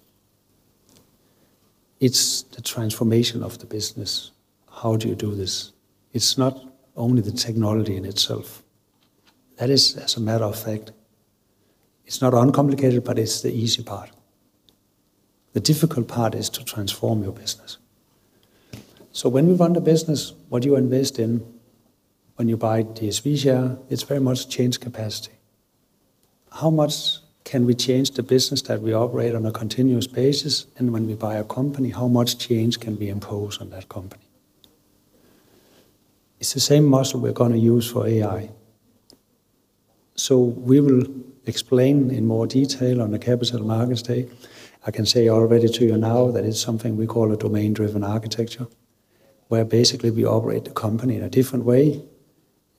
It's the transformation of the business. How do you do this? It's not only the technology in itself. That is, as a matter of fact, it's not uncomplicated, but it's the easy part. The difficult part is to transform your business. When we run the business, what you invest in when you buy DSV share, it's very much change capacity. How much can we change the business that we operate on a continuous basis? When we buy a company, how much change can we impose on that company? It's the same muscle we're gonna use for AI. We will explain in more detail on the Capital Markets Day. I can say already to you now that it's something we call a domain-driven architecture, where basically we operate the company in a different way,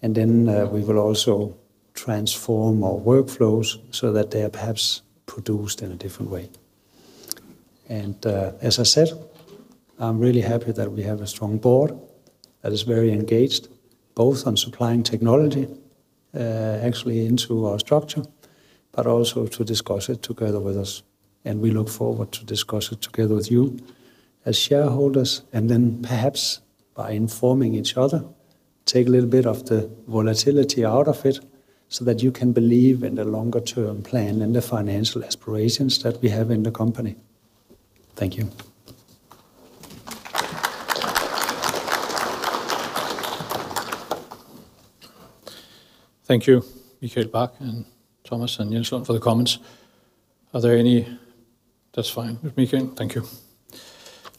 and then we will also transform our workflows so that they are perhaps produced in a different way. As I said, I'm really happy that we have a strong board that is very engaged, both on supplying technology, actually into our structure, but also to discuss it together with us. We look forward to discuss it together with you as shareholders and then perhaps by informing each other, take a little bit of the volatility out of it, so that you can believe in the longer term plan and the financial aspirations that we have in the company. Thank you. Thank you, Michael Bak and Thomas Plenborg for the comments. That's fine with me again. Thank you.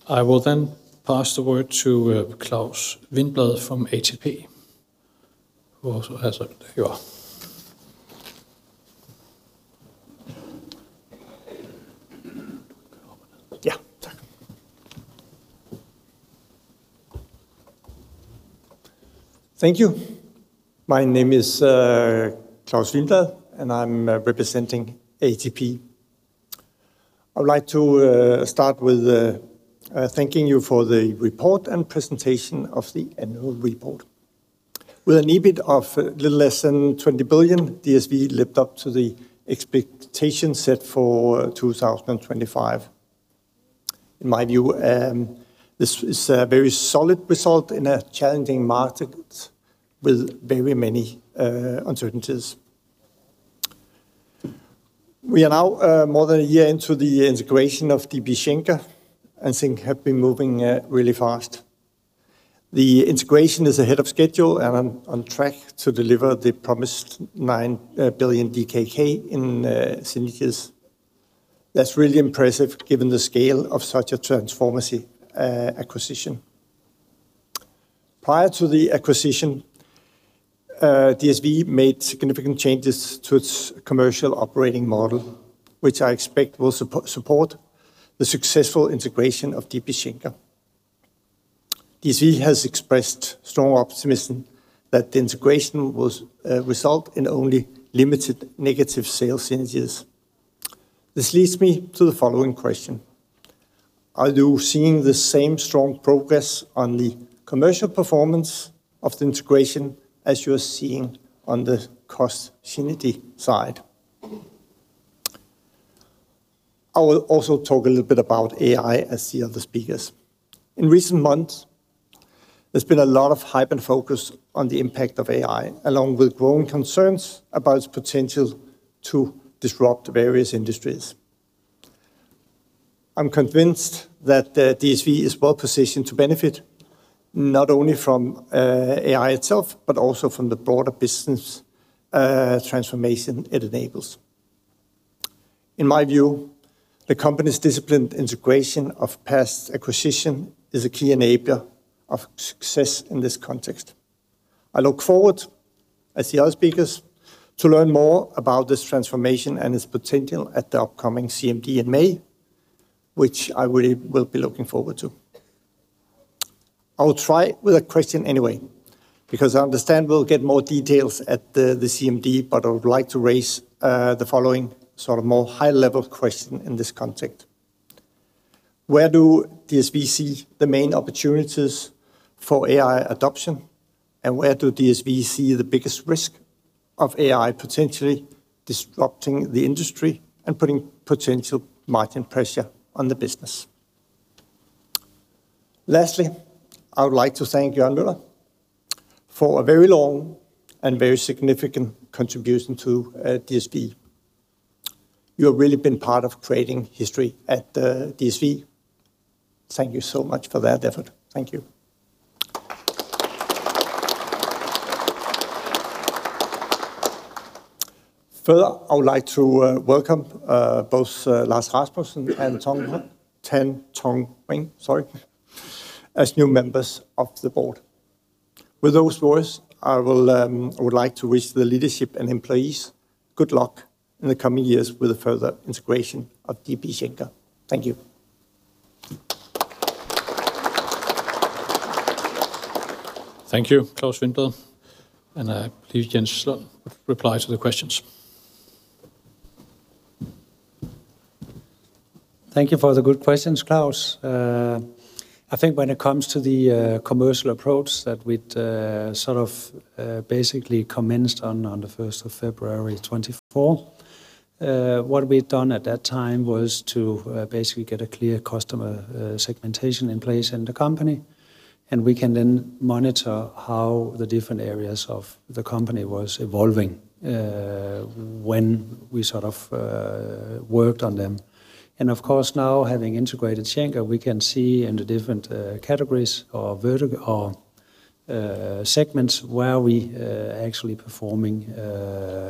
I will then pass the word to Claus Wiinblad from ATP. There you are. Yeah. Thank you. My name is Claus Wiinblad, and I'm representing ATP. I'd like to start with thanking you for the report and presentation of the annual report. With an EBIT of a little less than 20 billion, DSV lived up to the expectations set for 2025. In my view, this is a very solid result in a challenging market with very many uncertainties. We are now more than a year into the integration of DB Schenker, and we think we have been moving really fast. The integration is ahead of schedule and on track to deliver the promised 9 billion DKK in synergies. That's really impressive given the scale of such a transformative acquisition. Prior to the acquisition, DSV made significant changes to its commercial operating model, which I expect will support the successful integration of DB Schenker. DSV has expressed strong optimism that the integration will result in only limited negative sales synergies. This leads me to the following question: Are you seeing the same strong progress on the commercial performance of the integration as you are seeing on the cost synergy side? I will also talk a little bit about AI as the other speakers. In recent months, there's been a lot of hype and focus on the impact of AI, along with growing concerns about its potential to disrupt various industries. I'm convinced that DSV is well positioned to benefit not only from AI itself, but also from the broader business transformation it enables. In my view, the company's disciplined integration of past acquisition is a key enabler of success in this context. I look forward, as the other speakers, to learn more about this transformation and its potential at the upcoming CMD in May, which I really will be looking forward to. I will try with a question anyway, because I understand we'll get more details at the CMD, but I would like to raise the following sort of more high-level question in this context. Where do DSV see the main opportunities for AI adoption, and where do DSV see the biggest risk of AI potentially disrupting the industry and putting potential margin pressure on the business? Lastly, I would like to thank Jørgen Møller for a very long and very significant contribution to DSV. You have really been part of creating history at DSV. Thank you so much for that effort. Thank you. Further, I would like to welcome both Lars Rasmussen and Tan Chong Meng as new members of the board. With those words, I will, I would like to wish the leadership and employees good luck in the coming years with the further integration of DB Schenker. Thank you. Thank you, Claus Wiinblad. Please, Jens Lund, reply to the questions. Thank you for the good questions, Claus. I think when it comes to the commercial approach that we'd sort of basically commenced on the first of February 2024, what we'd done at that time was to basically get a clear customer segmentation in place in the company, and we can then monitor how the different areas of the company was evolving when we sort of worked on them. Of course, now having integrated Schenker, we can see in the different categories or segments where we are actually performing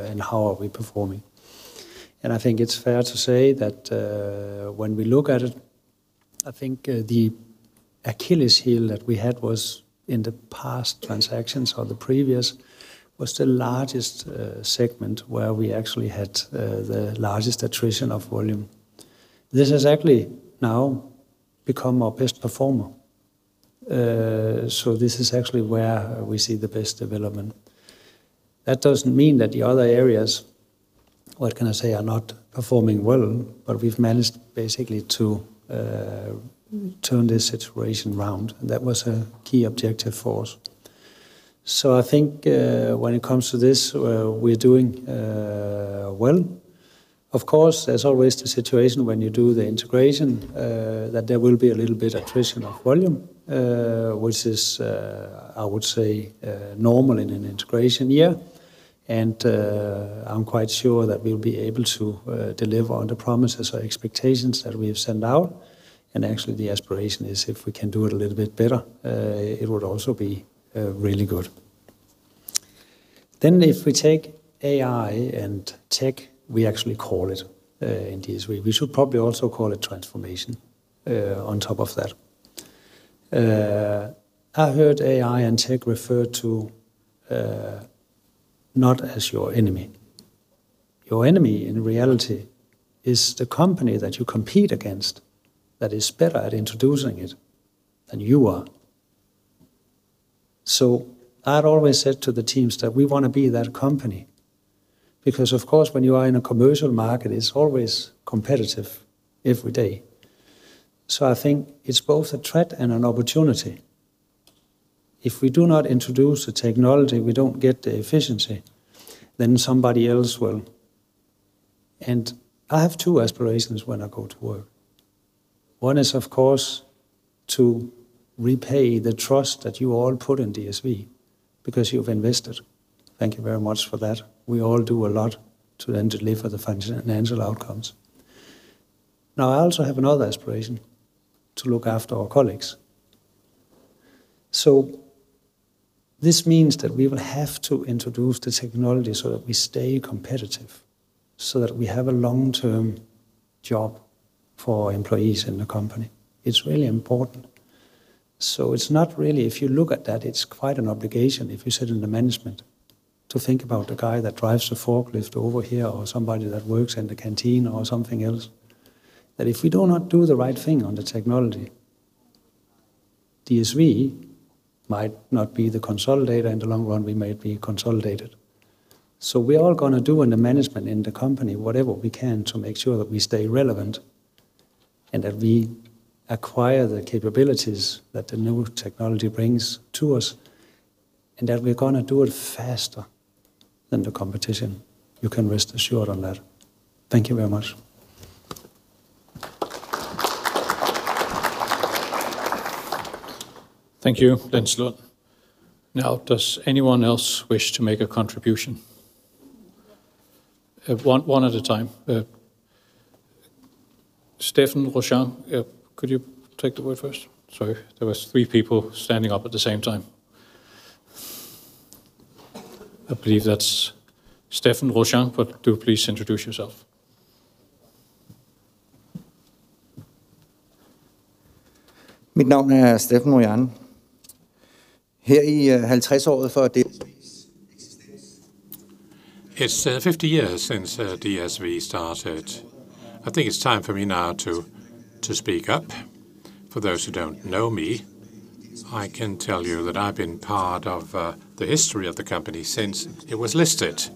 and how we are performing. I think it's fair to say that, when we look at it, I think, the Achilles heel that we had was in the past transactions or the previous was the largest segment where we actually had the largest attrition of volume. This has actually now become our best performer. This is actually where we see the best development. That doesn't mean that the other areas, what can I say, are not performing well, but we've managed basically to turn this situation around, and that was a key objective for us. I think, when it comes to this, we're doing well. Of course, there's always the situation when you do the integration that there will be a little bit attrition of volume, which is, I would say, normal in an integration year. I'm quite sure that we'll be able to deliver on the promises or expectations that we have sent out. Actually, the aspiration is if we can do it a little bit better, it would also be really good. If we take AI and tech, we actually call it, in DSV, we should probably also call it transformation, on top of that. I heard AI and tech referred to, not as your enemy. Your enemy in reality is the company that you compete against that is better at introducing it than you are. I'd always said to the teams that we wanna be that company because, of course, when you are in a commercial market, it's always competitive every day. I think it's both a threat and an opportunity. If we do not introduce the technology, we don't get the efficiency, then somebody else will. I have two aspirations when I go to work. One is, of course, to repay the trust that you all put in DSV because you've invested. Thank you very much for that. We all do a lot to then deliver the financial outcomes. Now, I also have another aspiration, to look after our colleagues. This means that we will have to introduce the technology so that we stay competitive, so that we have a long-term job for employees in the company. It's really important. If you look at that, it's quite an obligation if you sit in the management to think about the guy that drives the forklift over here or somebody that works in the canteen or something else, that if we do not do the right thing on the technology, DSV might not be the consolidator. In the long run, we might be consolidated. We're all gonna do in the management in the company whatever we can to make sure that we stay relevant and that we acquire the capabilities that the new technology brings to us, and that we're gonna do it faster than the competition. You can rest assured on that. Thank you very much. Thank you, Jens Lund. Now, does anyone else wish to make a contribution? One at a time. Steffen Rochon, could you take the word first? Sorry. There was three people standing up at the same time. I believe that's Steffen Rochon but do please introduce yourself. It's 50 years since DSV started. I think it's time for me now to speak up. For those who don't know me, I can tell you that I've been part of the history of the company since it was listed.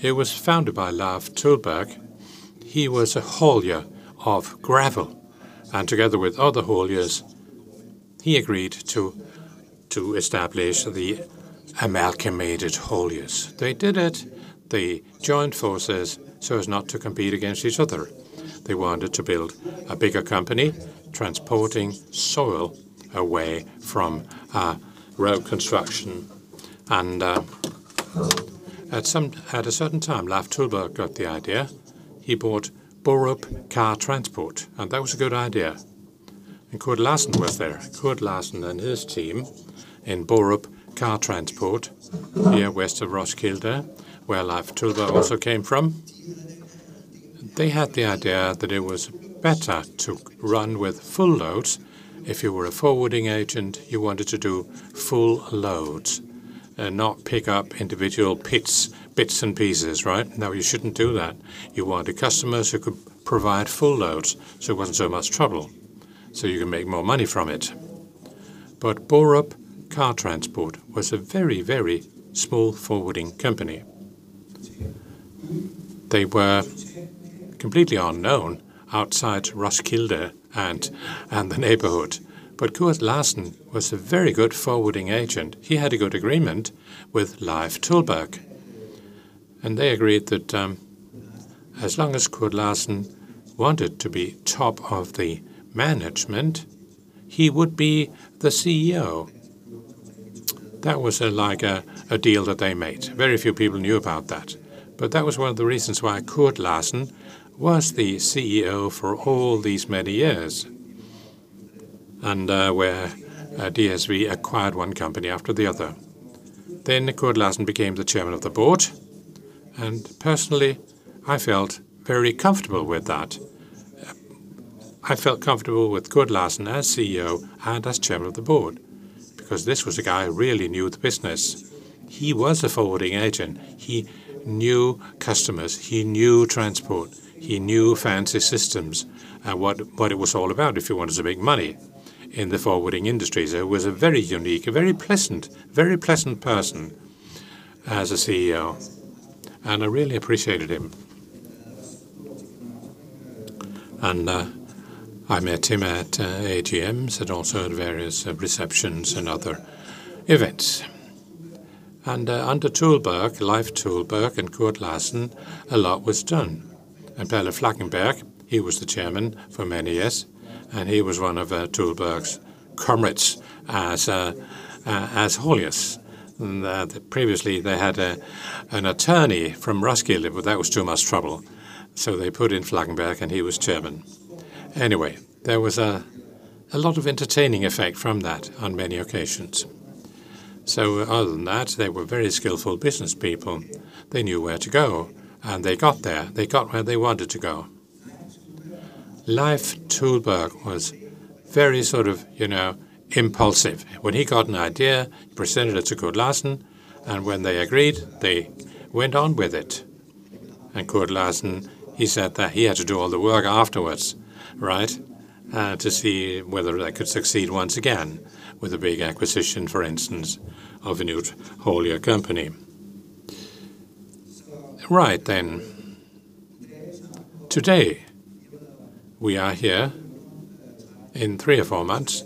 It was founded by Leif Tullberg. He was a hauler of gravel, and together with other haulers, he agreed to establish the amalgamated haulers. They did it. They joined forces so as not to compete against each other. They wanted to build a bigger company transporting soil away from road construction. At a certain time, Leif Tullberg got the idea. He bought Borup Autotransport, and that was a good idea. Kurt Larsen was there. Kurt Larsen and his team in Borup Autotransport near west of Roskilde, where Leif Tullberg also came from. They had the idea that it was better to run with full loads. If you were a forwarding agent, you wanted to do full loads and not pick up individual bits and pieces, right? No, you shouldn't do that. You wanted customers who could provide full loads, so it wasn't so much trouble, so you can make more money from it. Borup Autotransport was a very, very small forwarding company. They were completely unknown outside Roskilde and the neighborhood. Kurt Larsen was a very good forwarding agent. He had a good agreement with Leif Tullberg. They agreed that as long as Kurt Larsen wanted to be top of the management, he would be the CEO. That was like a deal that they made. Very few people knew about that. That was one of the reasons why Kurt Larsen was the CEO for all these many years and where DSV acquired one company after the other. Kurt Larsen became the chairman of the board, and personally, I felt very comfortable with that. I felt comfortable with Kurt Larsen as CEO and as chairman of the board because this was a guy who really knew the business. He was a forwarding agent. He knew customers. He knew transport. He knew fancy systems and what it was all about if you wanted to make money in the forwarding industries. It was a very unique, a very pleasant person as a CEO, and I really appreciated him. I met him at AGMs and also at various receptions and other events. Under Tullberg, Leif Tullberg, and Kurt Larsen, a lot was done. Palle Flackeberg, he was the chairman for many years, and he was one of Tullberg's comrades as haulers. Previously they had an attorney from Roskilde, but that was too much trouble. They put in Flackeberg, and he was chairman. Anyway, there was a lot of entertaining effect from that on many occasions. Other than that, they were very skillful business people. They knew where to go, and they got there. They got where they wanted to go. Leif Tullberg was very sort of, you know, impulsive. When he got an idea, presented it to Kurt Larsen, and when they agreed, they went on with it. Kurt Larsen, he said that he had to do all the work afterwards, right? To see whether they could succeed once again with a big acquisition, for instance, of a new hauler company. Right then. Today, we are here in three or four months,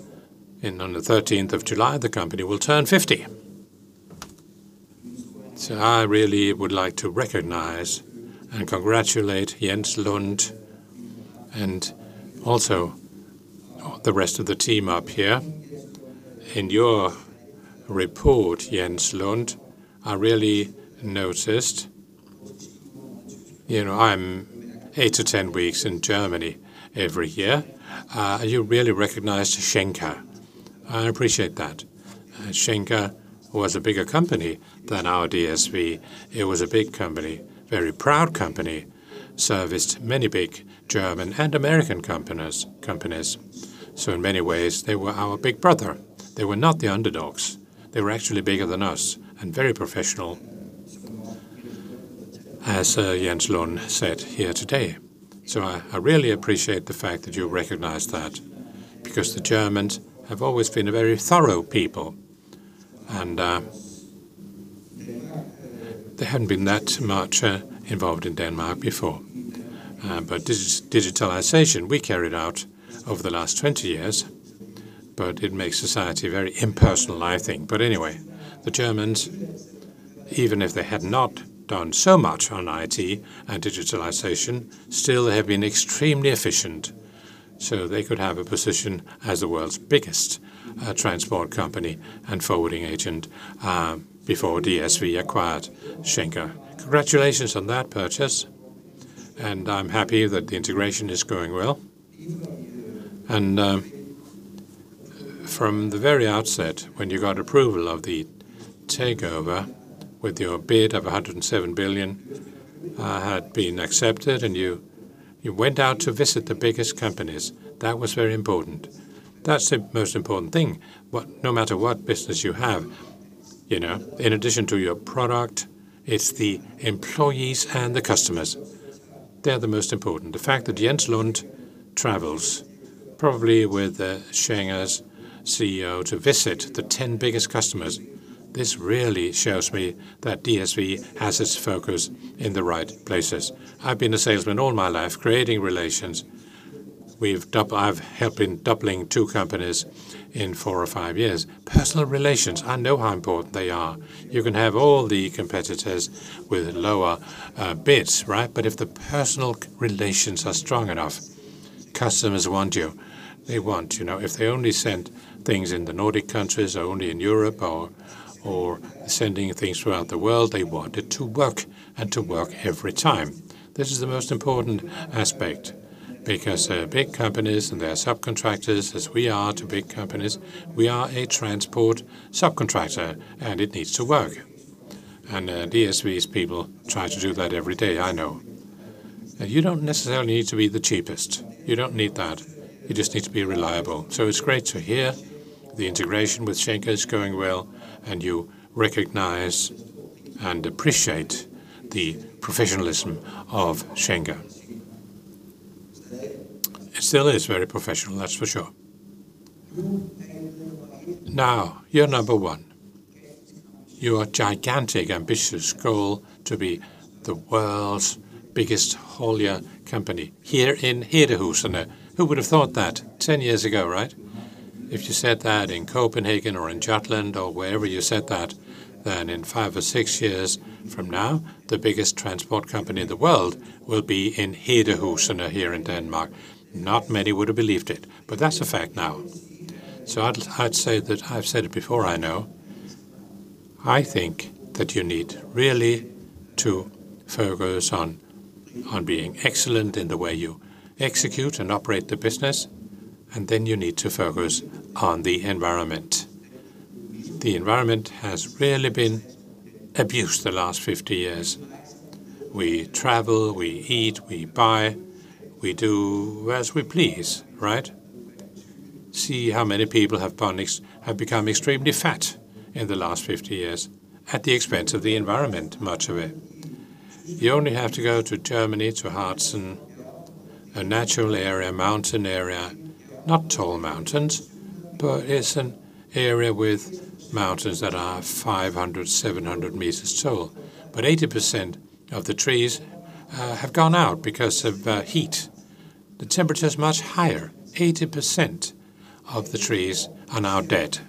and on the 13th of July, the company will turn 50. I really would like to recognize and congratulate Jens H. Lund and also the rest of the team up here. In your report, Jens H. Lund, I really noticed. You know, I'm eight to 10 weeks in Germany every year. You really recognized Schenker. I appreciate that. Schenker was a bigger company than our DSV. It was a big company, very proud company, serviced many big German and American companies. In many ways, they were our big brother. They were not the underdogs. They were actually bigger than us and very professional, as Jens H. Lund said here today. I really appreciate the fact that you recognized that because the Germans have always been a very thorough people. They hadn't been that much involved in Denmark before. Digitization we carried out over the last 20 years, but it makes society very impersonal, I think. Anyway, the Germans, even if they had not done so much on IT and digitization, still have been extremely efficient, so they could have a position as the world's biggest transport company and forwarding agent before DSV acquired Schenker. Congratulations on that purchase, and I'm happy that the integration is going well. From the very outset, when you got approval of the takeover with your bid of 107 billion had been accepted, and you went out to visit the biggest companies. That was very important. That's the most important thing. No matter what business you have, you know, in addition to your product, it's the employees and the customers. They're the most important. The fact that Jens H. Lund travels probably with Schenker's CEO to visit the 10 biggest customers, this really shows me that DSV has its focus in the right places. I've been a salesman all my life, creating relations. I've helped in doubling two companies in four or five years. Personal relations, I know how important they are. You can have all the competitors with lower bids, right? If the personal relations are strong enough, customers want you. They want you know, if they only send things in the Nordic countries or only in Europe or sending things throughout the world, they want it to work and to work every time. This is the most important aspect because, big companies and their subcontractors, as we are to big companies, we are a transport subcontractor, and it needs to work. DSV's people try to do that every day, I know. You don't necessarily need to be the cheapest. You don't need that. You just need to be reliable. It's great to hear the integration with Schenker is going well, and you recognize and appreciate the professionalism of Schenker. It still is very professional, that's for sure. Now, you're number one. Your gigantic, ambitious goal to be the world's biggest haulier company here in Hedehusene. Who would have thought that 10 years ago, right? If you said that in Copenhagen or in Jutland or wherever you said that, then in five or six years from now, the biggest transport company in the world will be in Hedehusene here in Denmark. Not many would have believed it, but that's a fact now. I'd say that, I've said it before, I know, I think that you need really to focus on being excellent in the way you execute and operate the business, and then you need to focus on the environment. The environment has really been abused the last 50 years. We travel, we eat, we buy, we do as we please, right? See how many people have become extremely fat in the last 50 years at the expense of the environment, much of it. You only have to go to Germany, to Harz, a natural area, mountain area, not tall mountains, but it's an area with mountains that are 500, 700 meters tall. But 80% of the trees have gone out because of heat. The temperature is much higher. 80% of the trees are now dead.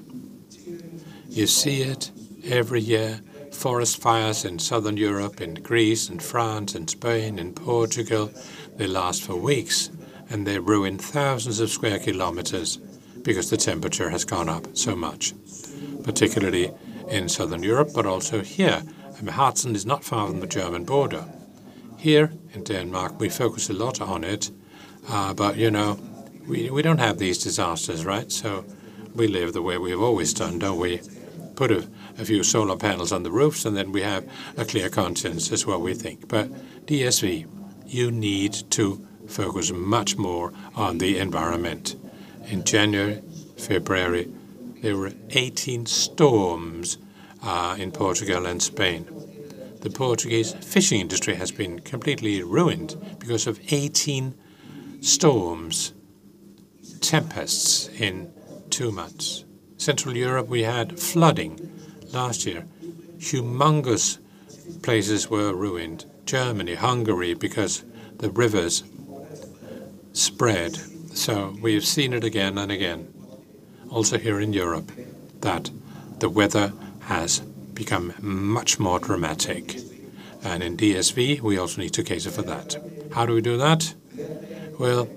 You see it every year, forest fires in Southern Europe, in Greece, in France, in Spain, in Portugal. They last for weeks, and they ruin thousands of square kilometers because the temperature has gone up so much, particularly in Southern Europe, but also here. I mean, Harz is not far from the German border. Here in Denmark, we focus a lot on it, but you know, we don't have these disasters, right? We live the way we've always done, don't we? Put a few solar panels on the roofs, and then we have a clear conscience. That's what we think. DSV, you need to focus much more on the environment. In January, February, there were 18 storms in Portugal and Spain. The Portuguese fishing industry has been completely ruined because of 18 storms, tempests in 2 months. Central Europe, we had flooding last year. Humongous places were ruined, Germany, Hungary, because the rivers spread. We've seen it again and again, also here in Europe, that the weather has become much more dramatic. In DSV, we also need to cater for that. How do we do that? Well,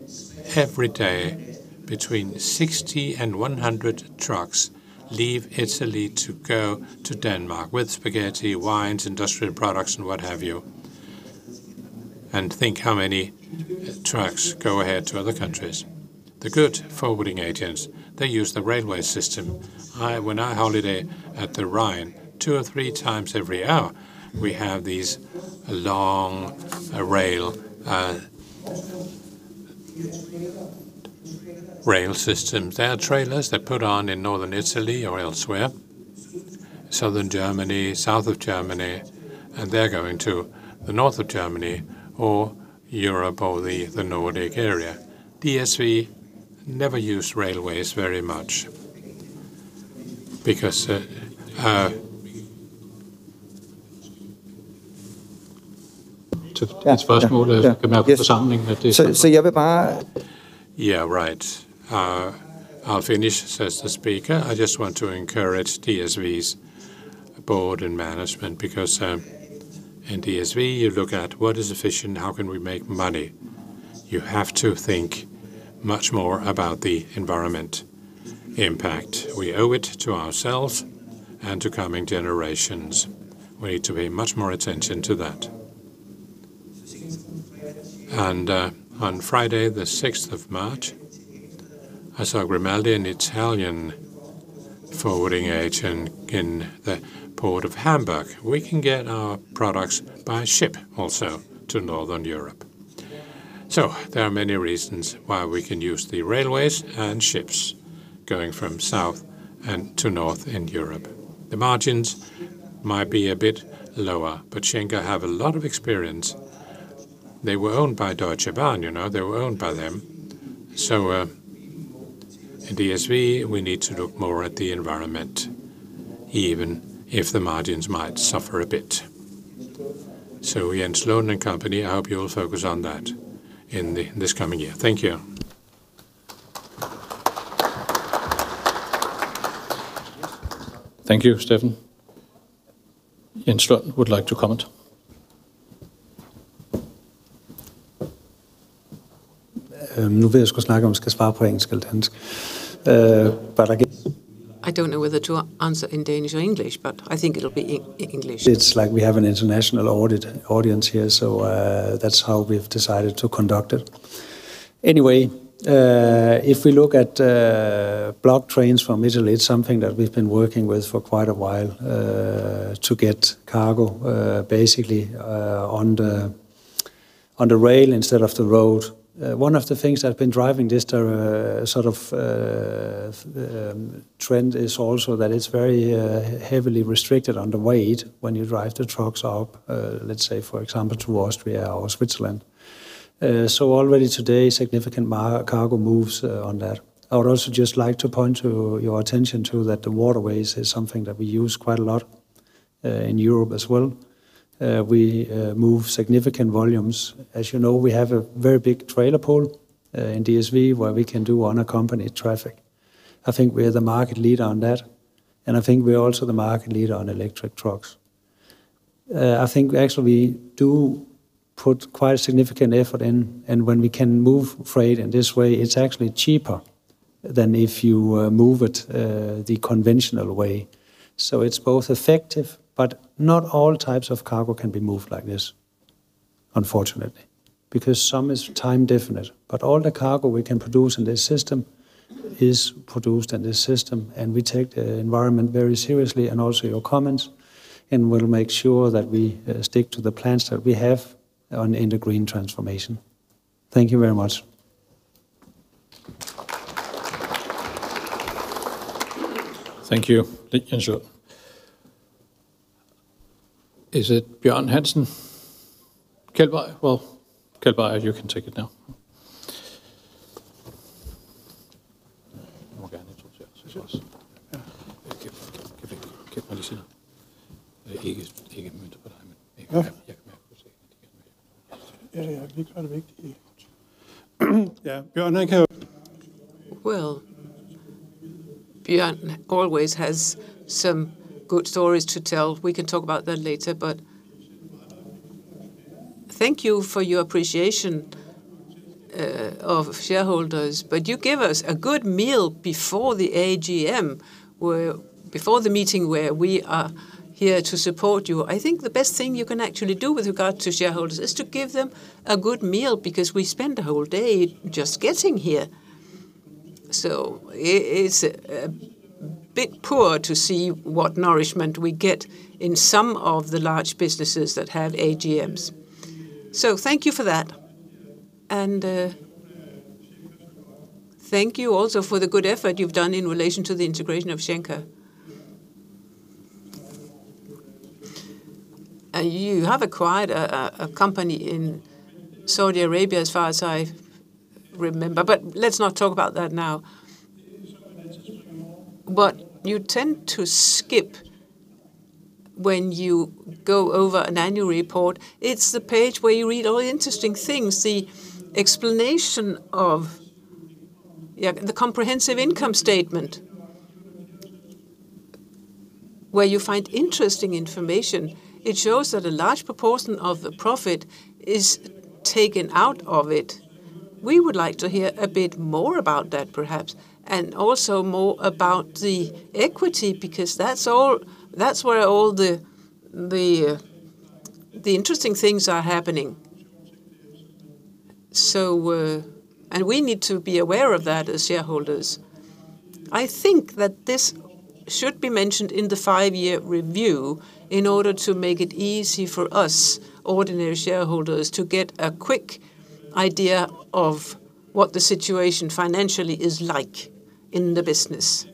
every day between 60 and 100 trucks leave Italy to go to Denmark with spaghetti, wines, industrial products, and what have you. Think how many trucks go ahead to other countries. The good forwarding agents, they use the railway system. When I holiday at the Rhine, two or three times every hour, we have these long rail systems. There are trailers they put on in Northern Italy or elsewhere, Southern Germany, south of Germany, and they're going to the north of Germany or Europe or the Nordic area. DSV never use railways very much because. I'll finish. I just want to encourage DSV's board and management because in DSV, you look at what is efficient, how can we make money. You have to think much more about the environmental impact. We owe it to ourselves and to coming generations. We need to pay much more attention to that. On Friday the sixth of March, I saw Grimaldi, an Italian forwarding agent in the Port of Hamburg. We can get our products by ship also to Northern Europe. There are many reasons why we can use the railways and ships going from south and to north in Europe. The margins might be a bit lower, but Schenker have a lot of experience. They were owned by Deutsche Bahn, you know. They were owned by them. At DSV, we need to look more at the environment, even if the margins might suffer a bit. Jens Lund and company, I hope you will focus on that in this coming year. Thank you. Thank you, Steffen. Jens Lund would like to comment. Now I have to decide whether to answer in Danish or English. I don't know whether to answer in Danish or English, but I think it'll be English. It's like we have an international audience here, so that's how we've decided to conduct it. Anyway, if we look at block trains from Italy, it's something that we've been working with for quite a while to get cargo basically on the rail instead of the road. One of the things that have been driving this sort of trend is also that it's very heavily restricted on the weight when you drive the trucks up, let's say for example, to Austria or Switzerland. Already today, significant cargo moves on that. I would also just like to point to your attention to that the waterways is something that we use quite a lot in Europe as well. We move significant volumes. As you know, we have a very big trailer pool in DSV where we can do unaccompanied traffic. I think we're the market leader on that, and I think we are also the market leader on electric trucks. I think actually we do put quite significant effort in, and when we can move freight in this way, it's actually cheaper than if you move it the conventional way. So it's both effective, but not all types of cargo can be moved like this, unfortunately, because some is time definite. But all the cargo we can produce in this system is produced in this system, and we take the environment very seriously and also your comments, and we'll make sure that we stick to the plans that we have in the green transformation. Thank you very much. Thank you, Jens Lund. Is it Jens Bjørn Andersen? Keld Vestergaard? Well, Keld Vestergaard, you can take it now. You can take it too if you want. Sure. Keld Vestergaard, say it later. Not a comment to you, but I can live with saying it to Keld Vestergaard later. Yeah, yeah. We'll make it important. Yeah. Jens Bjørn Andersen can- Well, Björn always has some good stories to tell. We can talk about that later. Thank you for your appreciation of shareholders. You gave us a good meal before the AGM before the meeting where we are here to support you. I think the best thing you can actually do with regard to shareholders is to give them a good meal, because we spend the whole day just getting here. It's a bit poor to see what nourishment we get in some of the large businesses that have AGMs. Thank you for that. Thank you also for the good effort you've done in relation to the integration of Schenker. You have acquired a company in Saudi Arabia, as far as I remember, but let's not talk about that now. What you tend to skip when you go over an annual report, it's the page where you read all the interesting things, the explanation of, yeah, the comprehensive income statement, where you find interesting information. It shows that a large proportion of the profit is taken out of it. We would like to hear a bit more about that perhaps, and also more about the equity, because that's where all the interesting things are happening. We need to be aware of that as shareholders. I think that this should be mentioned in the five-year review in order to make it easy for us ordinary shareholders to get a quick idea of what the situation financially is like in the business.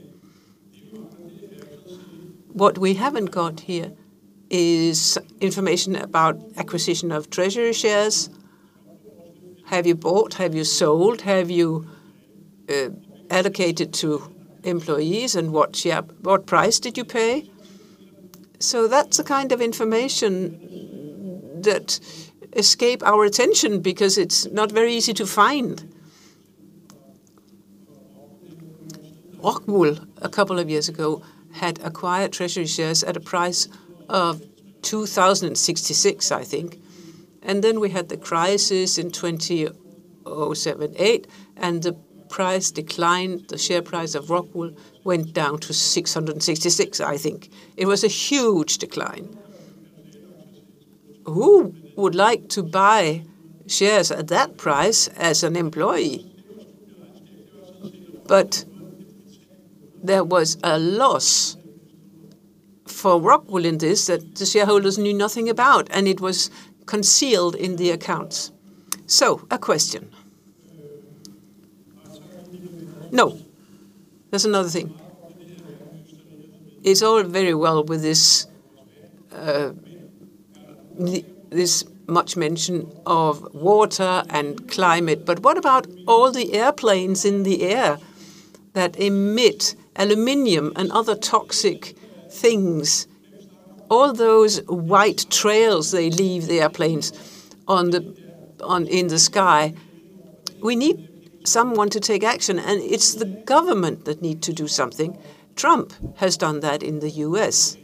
What we haven't got here is information about acquisition of treasury shares. Have you bought? Have you sold? Have you allocated to employees, and what share, what price did you pay? That's the kind of information that escapes our attention because it's not very easy to find. Orkla, a couple of years ago, had acquired treasury shares at a price of 2,066, I think. Then we had the crisis in 2008, and the price declined. The share price of Rockwool went down to 666, I think. It was a huge decline. Who would like to buy shares at that price as an employee? There was a loss for Rockwool in this that the shareholders knew nothing about, and it was concealed in the accounts. A question. No. There's another thing. It's all very well with this much mention of water and climate, but what about all the airplanes in the air that emit aluminum and other toxic things? All those white trails they leave, the airplanes, in the sky. We need someone to take action, and it's the government that need to do something. Trump has done that in the US.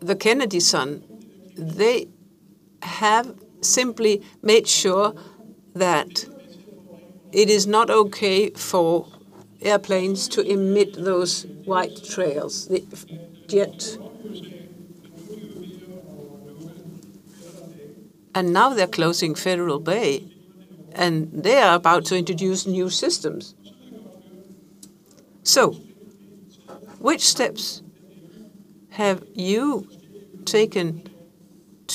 The Kennedy son, they have simply made sure that it is not okay for airplanes to emit those white trails. Now they're closing Federal Bay, and they are about to introduce new systems. Which steps have you taken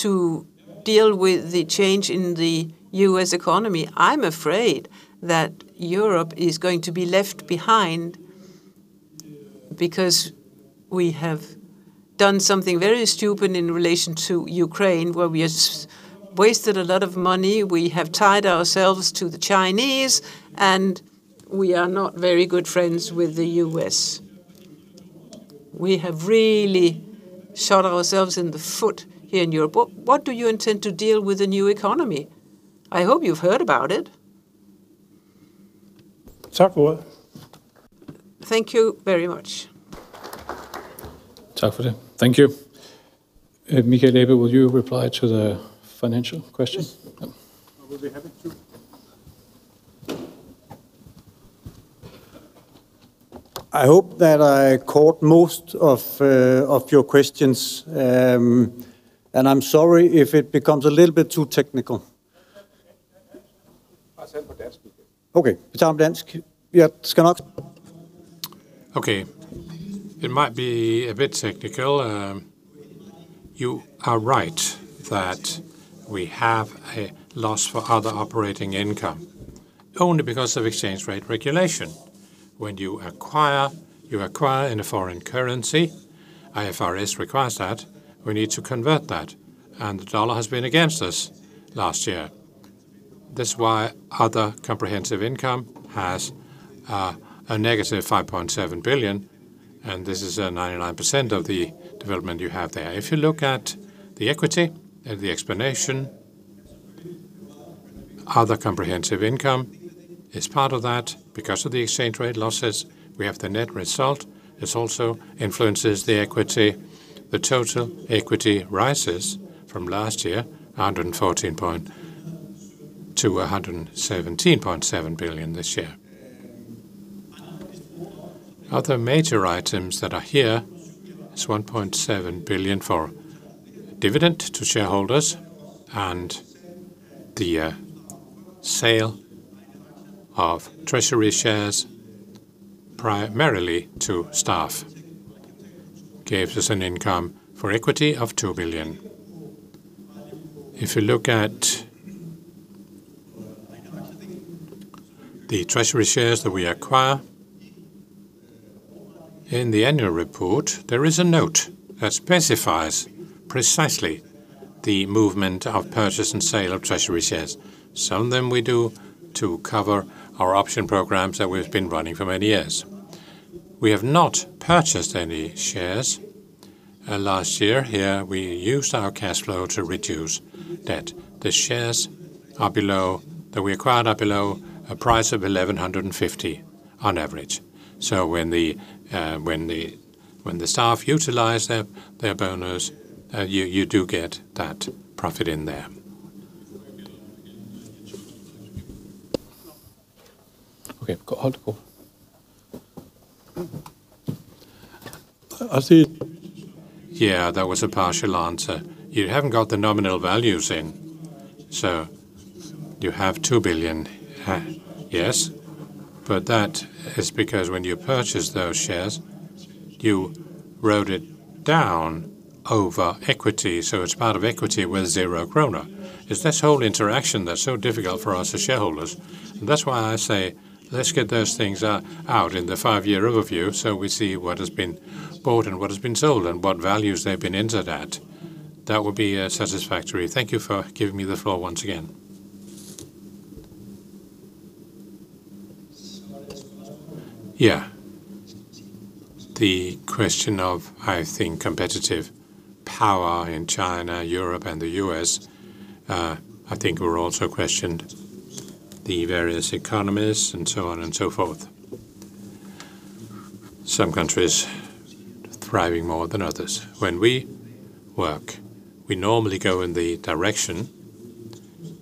to deal with the change in the US economy? I'm afraid that Europe is going to be left behind because we have done something very stupid in relation to Ukraine, where we have wasted a lot of money. We have tied ourselves to the Chinese, and we are not very good friends with the U.S. We have really shot ourselves in the foot here in Europe. What do you intend to deal with the new economy? I hope you've heard about it. Tak for det. Thank you very much. Tak for det. Thank you. Michael Ebbe, will you reply to the financial question? Yes. I will be happy to. I hope that I caught most of your questions. I'm sorry if it becomes a little bit too technical. It might be a bit technical. You are right that we have a loss in other comprehensive income, only because of exchange rate translation. When you acquire, you acquire in a foreign currency. IFRS requires that. We need to convert that, and the dollar has been against us last year. That's why other comprehensive income has a negative 5.7 billion, and this is 99% of the development you have there. If you look at the equity and the explanation, other comprehensive income is part of that. Because of the exchange rate losses, we have the net result. This also influences the equity. The total equity rises from last year, 114 point. to 117.7 billion this year. Other major items that are here is 1.7 billion for dividend to shareholders and the sale of treasury shares primarily to staff, gives us an income for equity of 2 billion. If you look at the treasury shares that we acquire, in the annual report, there is a note that specifies precisely the movement of purchase and sale of treasury shares. Some of them we do to cover our option programs that we've been running for many years. We have not purchased any shares last year. Here, we used our cash flow to reduce debt. The shares that we acquired are below a price of 1,150 on average. When the staff utilize their bonus, you do get that profit in there. Okay. Uh, I see- That was a partial answer. You haven't got the nominal values in. You have 2 billion, yes, but that is because when you purchase those shares, you wrote it down over equity, so it's part of equity with 0 krone. It's this whole interaction that's so difficult for us as shareholders. That's why I say, let's get those things out in the five-year overview so we see what has been bought and what has been sold and what values they've been entered at. That would be satisfactory. Thank you for giving me the floor once again. Yeah. The question of, I think, competitive power in China, Europe, and the U.S., I think we're also questioning the various economies and so on and so forth. Some countries thriving more than others. When we work, we normally go in the direction.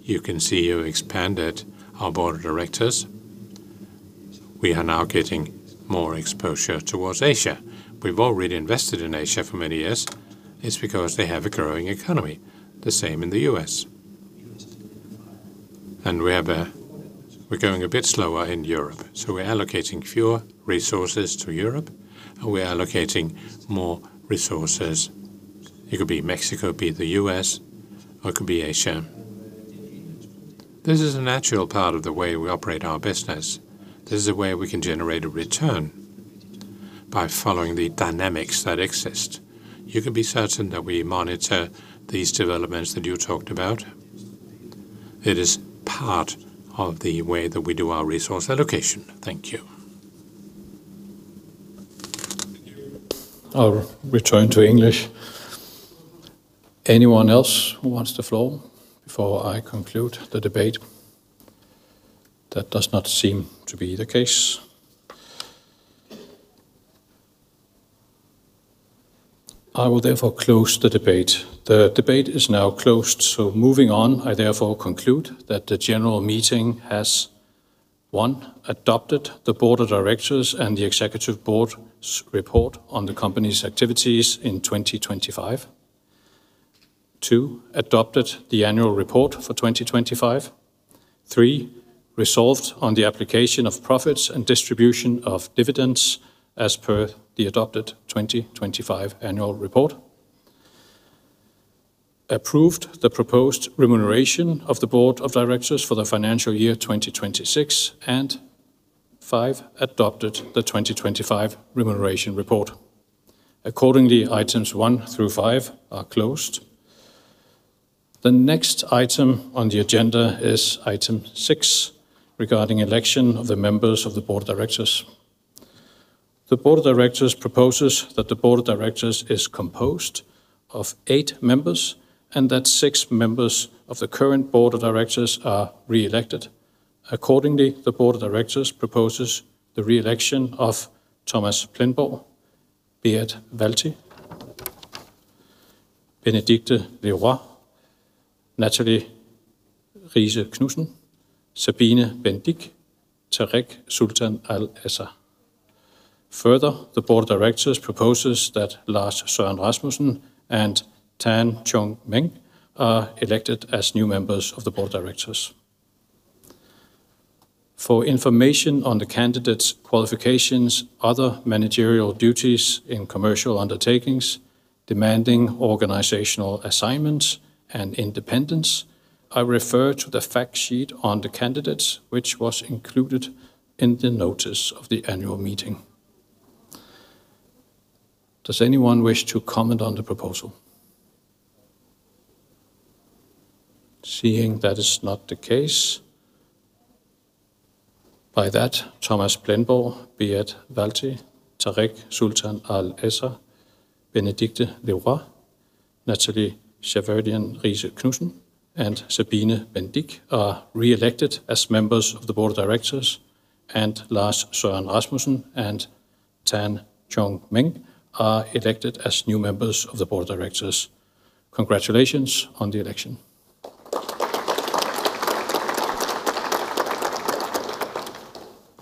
You can see we've expanded our board of directors. We are now getting more exposure towards Asia. We've already invested in Asia for many years. It's because they have a growing economy. The same in the US. We're going a bit slower in Europe, so we're allocating fewer resources to Europe, and we are allocating more resources. It could be Mexico, the US, or it could be Asia. This is a natural part of the way we operate our business. This is a way we can generate a return by following the dynamics that exist. You can be certain that we monitor these developments that you talked about. It is part of the way that we do our resource allocation. Thank you. I'll return to English. Anyone else who wants the floor before I conclude the debate? That does not seem to be the case. I will therefore close the debate. The debate is now closed, so moving on, I therefore conclude that the general meeting has, 1, adopted the board of directors and the executive board's report on the company's activities in 2025. 2, adopted the annual report for 2025. 3, resolved on the application of profits and distribution of dividends as per the adopted 2025 annual report. Approved the proposed remuneration of the board of directors for the financial year 2026. And 5, adopted the 2025 remuneration report. Accordingly, items 1 through 5 are closed. The next item on the agenda is item 6 regarding election of the members of the board of directors. The board of directors proposes that the board of directors is composed of eight members and that six members of the current board of directors are reelected. Accordingly, the board of directors proposes the reelection of Thomas Plenborg, Beat Walti, Benedikte Leroy, Natalie Shaverdian Riise-Knudsen, Sabine Bendiek, Tarek Sultan Al-Essa. Further, the board of directors proposes that Lars Rasmussen and Tan Chong Meng are elected as new members of the board of directors. For information on the candidates' qualifications, other managerial duties in commercial undertakings, demanding organizational assignments, and independence, I refer to the fact sheet on the candidates, which was included in the notice of the annual meeting. Does anyone wish to comment on the proposal? Seeing that is not the case. By that, Thomas Plenborg, Beat Walti, Tarek Sultan Al-Essa, Benedikte Leroy, Natalie Shaverdian Riise-Knudsen, and Sabine Bendiek are reelected as members of the board of directors. Lars Rasmussen and Tan Chong Meng are elected as new members of the board of directors. Congratulations on the election.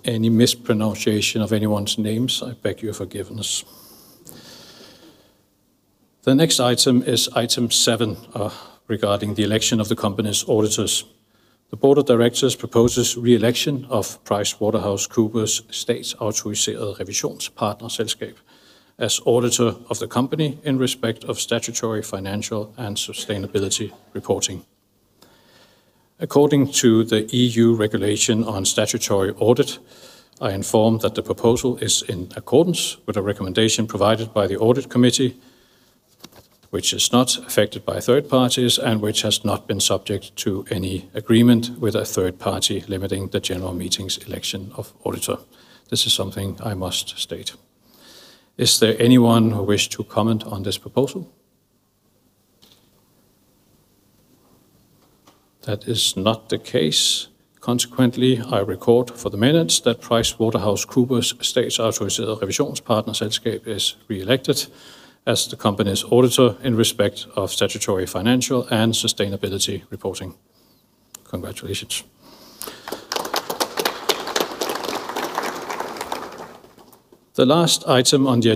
Any mispronunciation of anyone's names, I beg your forgiveness. The next item is item seven, regarding the election of the company's auditors. The board of directors proposes reelection of PricewaterhouseCoopers Statsautoriseret Revisionspartnerselskab as auditor of the company in respect of statutory, financial, and sustainability reporting. According to the EU Regulation on Statutory Audit, I inform that the proposal is in accordance with a recommendation provided by the audit committee, which is not affected by third parties and which has not been subject to any agreement with a third party limiting the general meeting's election of auditor. This is something I must state. Is there anyone who wish to comment on this proposal? That is not the case. Consequently, I record for the minutes that PricewaterhouseCoopers Statsautoriseret Revisionspartnerselskab is reelected as the company's auditor in respect of statutory, financial, and sustainability reporting. Congratulations. The last item on the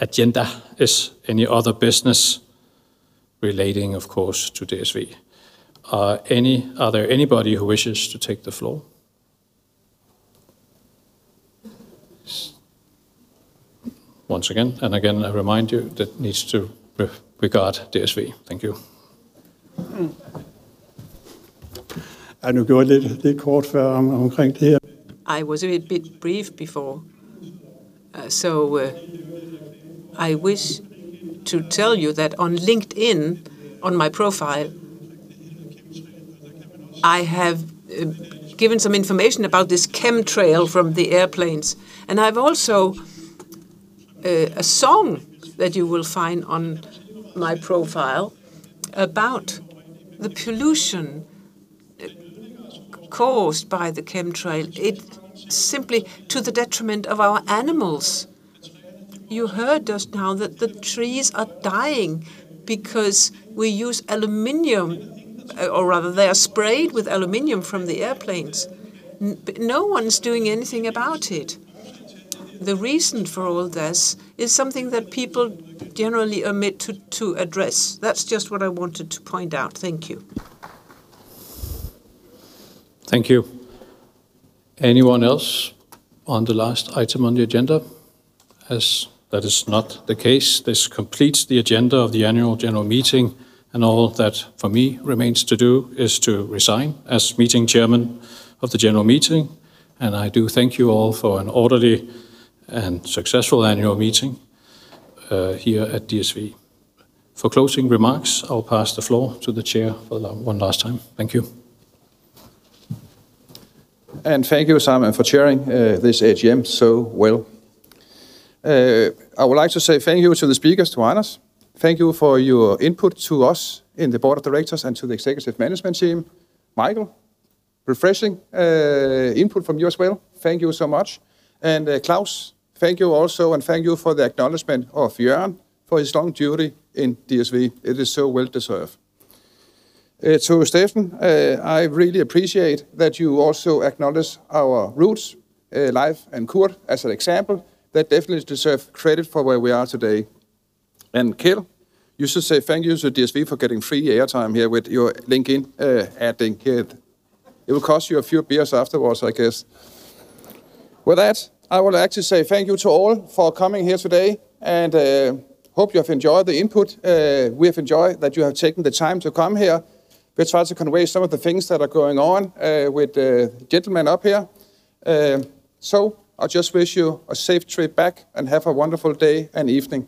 agenda is any other business relating, of course, to DSV. Are there anybody who wishes to take the floor? Once again, I remind you that needs to regard DSV. Thank you. I was a bit brief before, so I wish to tell you that on LinkedIn, on my profile, I have given some information about this chemtrail from the airplanes. I've also a song that you will find on my profile about the pollution caused by the chemtrail. It simply to the detriment of our animals. You heard just now that the trees are dying because we use aluminum, or rather they are sprayed with aluminum from the airplanes. No one's doing anything about it. The reason for all this is something that people generally omit to address. That's just what I wanted to point out. Thank you. Thank you. Anyone else on the last item on the agenda? As that is not the case, this completes the agenda of the annual general meeting, and all that for me remains to do is to resign as meeting chairman of the general meeting, and I do thank you all for an orderly and successful annual meeting here at DSV. For closing remarks, I'll pass the floor to the chair for the one last time. Thank you. Thank you, Simon, for chairing this AGM so well. I would like to say thank you to the speakers, to Anders. Thank you for your input to us in the board of directors and to the executive management team. Michael, refreshing input from you as well. Thank you so much. Claus, thank you also, and thank you for the acknowledgement of Jørgen for his long duty in DSV. It is so well deserved. To Steffen, I really appreciate that you also acknowledge our roots, Leif and Kurt as an example. That definitely deserve credit for where we are today. Keld, you should say thank you to DSV for getting free airtime here with your LinkedIn ad thing, Keld. It will cost you a few beers afterwards, I guess. With that, I would like to say thank you to all for coming here today and hope you have enjoyed the input. We have enjoyed that you have taken the time to come here. We try to convey some of the things that are going on with the gentlemen up here. I just wish you a safe trip back, and have a wonderful day and evening.